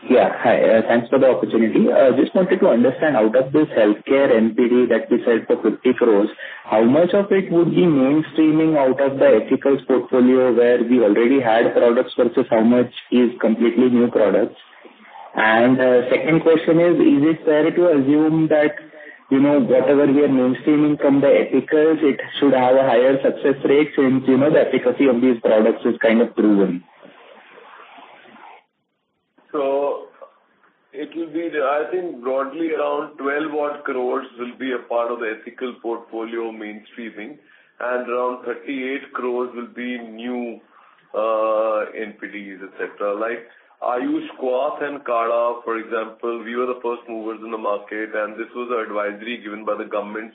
S23: Yeah. Hi. Thanks for the opportunity. Just wanted to understand out of this healthcare NPD that we said for 30 crores, how much of it would be mainstreaming out of the ethical portfolio where we already had products, versus how much is completely new products? Second question is it fair to assume that, whatever we are mainstreaming from the ethical, it should have a higher success rate since the efficacy of these products is kind of proven.
S3: It will be, I think, broadly around 12 odd crores will be a part of the ethical portfolio mainstreaming, and around 38 crores will be new NPDs, et cetera. Ayush Kwath and Kadha, for example, we were the first movers in the market, and this was a advisory given by the government,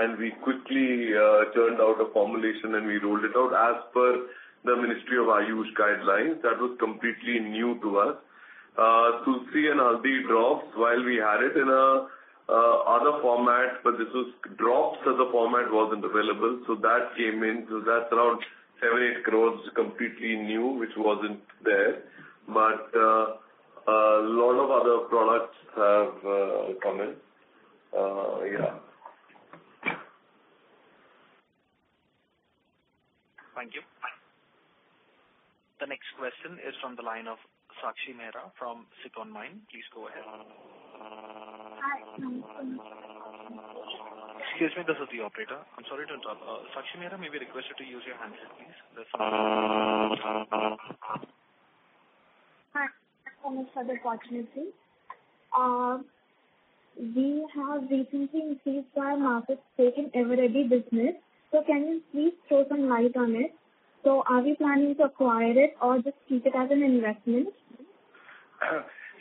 S3: and we quickly churned out a formulation, and we rolled it out as per the Ministry of AYUSH guidelines. That was completely new to us. Tulsi and Haldi Drops, while we had it in other formats, but drops as a format wasn't available. That came in. That's around 7, 8 crores, completely new, which wasn't there. A lot of other products have come in. Yeah.
S1: Thank you. The next question is from the line of Sakshi Mehra from Citi. Please go ahead.
S24: Hi.
S1: Excuse me, this is the operator. I'm sorry to interrupt. Sakshi Mehra, may we request you to use your handset, please?
S24: Hi. Thanks for the opportunity. We have recently increased our market stake in Eveready business. Can you please throw some light on it? Are we planning to acquire it or just keep it as an investment?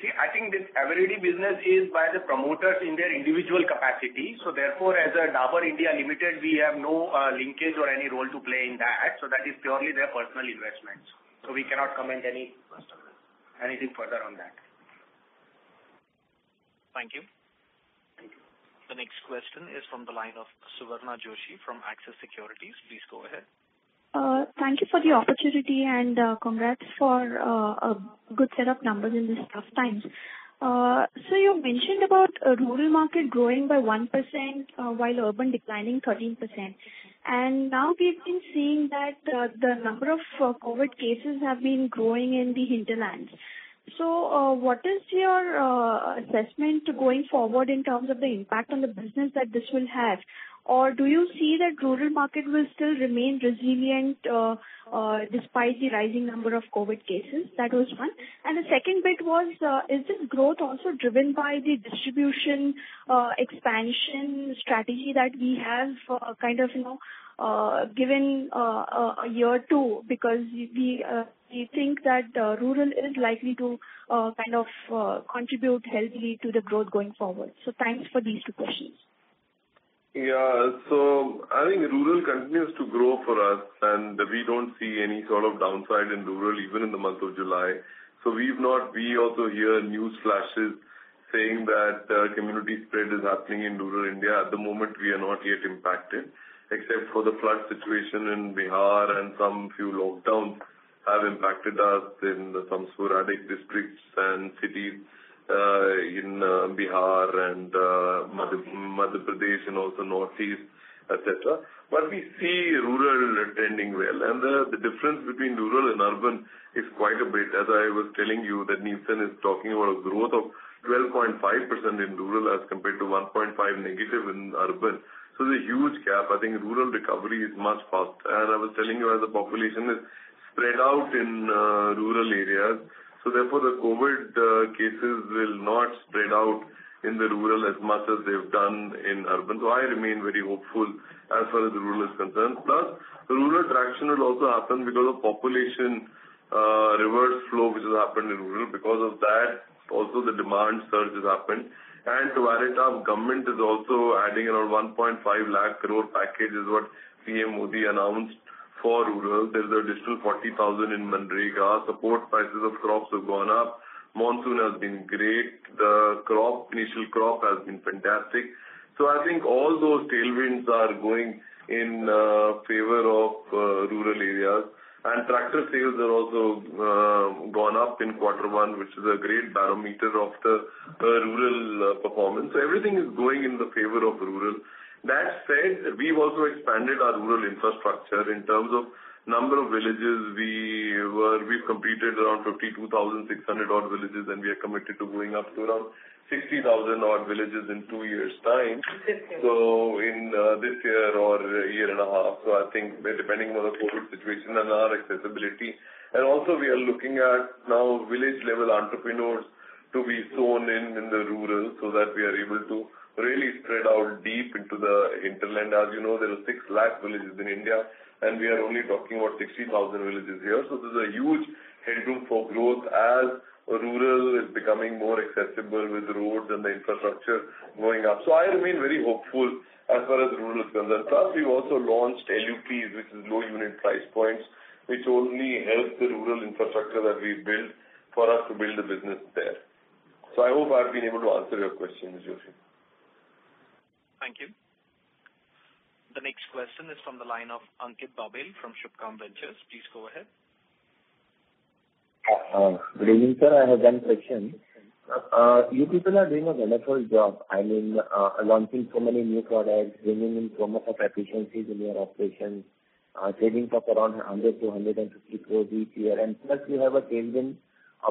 S25: I think Eveready business is by the promoters in their individual capacity. Therefore, as a Dabur India Limited, we have no linkage or any role to play in that. That is purely their personal investment. We cannot comment anything further on that.
S1: Thank you. The next question is from the line of Suvarna Joshi from Axis Securities. Please go ahead.
S26: Thank you for the opportunity. Congrats for a good set of numbers in this tough times. You mentioned about rural market growing by 1% while urban declining 13%. Now we've been seeing that the number of COVID cases have been growing in the hinterlands. What is your assessment going forward in terms of the impact on the business that this will have? Do you see that rural market will still remain resilient despite the rising number of COVID cases? That was one. The second bit was, is this growth also driven by the distribution expansion strategy that we have given a year or two? We think that rural is likely to contribute healthily to the growth going forward. Thanks for these two questions.
S3: I think rural continues to grow for us, and we don't see any sort of downside in rural, even in the month of July. We also hear news flashes saying that community spread is happening in rural India. At the moment, we are not yet impacted, except for the flood situation in Bihar and some few lockdowns have impacted us in some sporadic districts and cities, in Bihar and Madhya Pradesh, and also Northeast, et cetera. We see rural attending well. The difference between rural and urban is quite a bit. As I was telling you, that Nielsen is talking about a growth of 12.5% in rural as compared to 1.5 negative in urban. There's a huge gap. I think rural recovery is much faster. I was telling you, as the population is spread out in rural areas, therefore the COVID cases will not spread out in the rural as much as they've done in urban. I remain very hopeful as far as the rural is concerned. The rural traction had also happened because of population reverse flow, which has happened in rural. Because of that, also the demand surge has happened. To add it up, government is also adding around 150,000 crore package is what PM Modi announced for rural, there is additional 40,000 in MGNREGA. Support prices of crops have gone up. Monsoon has been great. The initial crop has been fantastic. I think all those tailwinds are going in favor of rural areas. Tractor sales have also gone up in quarter one, which is a great barometer of the rural performance. Everything is going in the favor of rural. That said, we've also expanded our rural infrastructure in terms of number of villages. We've completed around 52,600 odd villages, and we are committed to going up to around 60,000 odd villages in two years' time.
S2: Okay.
S3: In this year or a year and a half, so I think depending on the COVID-19 situation and our accessibility. Also we are looking at now village-level entrepreneurs to be sown in the rural, so that we are able to really spread out deep into the hinterland. As you know, there are six large villages in India, and we are only talking about 16,000 villages here. This is a huge headroom for growth as rural is becoming more accessible with roads and the infrastructure going up. Plus, we've also launched LUPs, which is low unit price points, which only help the rural infrastructure that we've built for us to build the business there. I hope I've been able to answer your question, Suvarna Joshi.
S1: Thank you. The next question is from the line of Ankit Babel from Subhkam Ventures. Please go ahead.
S27: Good evening, sir. I hope you are doing fine. You people are doing a wonderful job. I mean, launching so many new products, bringing in so much of efficiencies in your operations, savings of around 100 crore-150 crore each year. Plus, you have a change in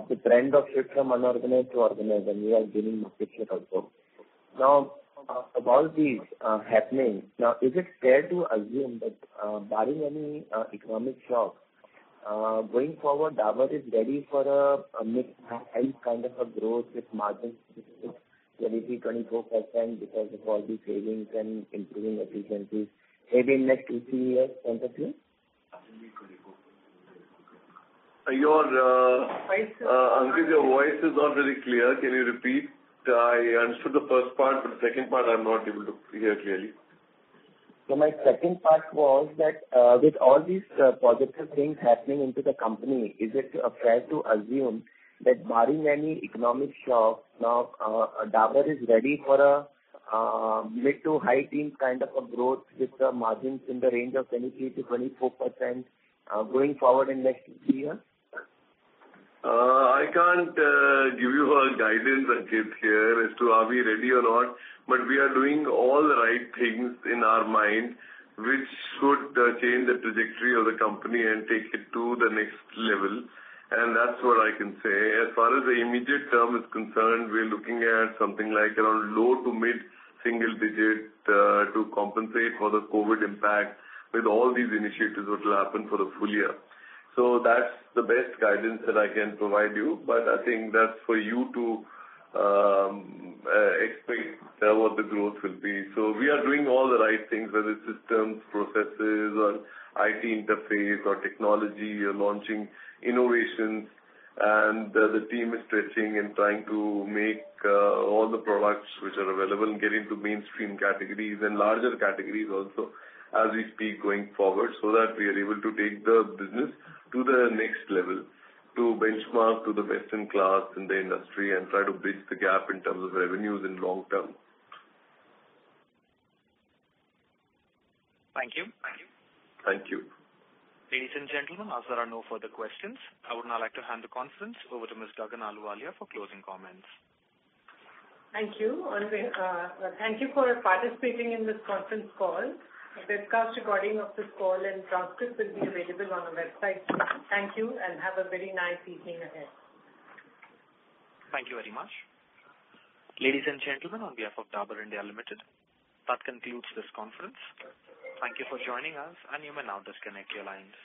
S27: the trend of shift from unorganized to organized. We are gaining market share also. Of all these happenings, is it fair to assume that barring any economic shocks, going forward, Dabur is ready for a mid to high kind of a growth with margins, say, 23%, 24% because of all these savings and improving efficiencies maybe in next two, three years? What is your
S3: Ankit, your voice is not very clear. Can you repeat? I understood the first part, but the second part I'm not able to hear clearly.
S27: My second part was that, with all these positive things happening into the company, is it fair to assume that barring any economic shocks, now Dabur is ready for a mid to high teen kind of a growth with the margins in the range of 23%-24% going forward in next three years?
S3: I can't give you a guidance, Ankit, here as to are we ready or not, but we are doing all the right things in our mind, which could change the trajectory of the company and take it to the next level. That's what I can say. As far as the immediate term is concerned, we're looking at something like around low to mid single digit, to compensate for the COVID impact with all these initiatives what will happen for a full year. That's the best guidance that I can provide you, but I think that's for you to expect what the growth will be. We are doing all the right things, whether it's systems, processes, or IT interface or technology. We are launching innovations, the team is stretching and trying to make all the products which are available, get into mainstream categories and larger categories also as we speak going forward so that we are able to take the business to the next level, to benchmark to the best-in-class in the industry and try to bridge the gap in terms of revenues in long term.
S27: Thank you.
S3: Thank you.
S1: Ladies and gentlemen, as there are no further questions, I would now like to hand the conference over to Ms. Gagan Ahluwalia for closing comments.
S2: Thank you. Thank you for participating in this conference call. A webcast recording of this call and transcript will be available on our website. Thank you, and have a very nice evening ahead.
S1: Thank you very much. Ladies and gentlemen, on behalf of Dabur India Limited, that concludes this conference. Thank you for joining us, and you may now disconnect your lines.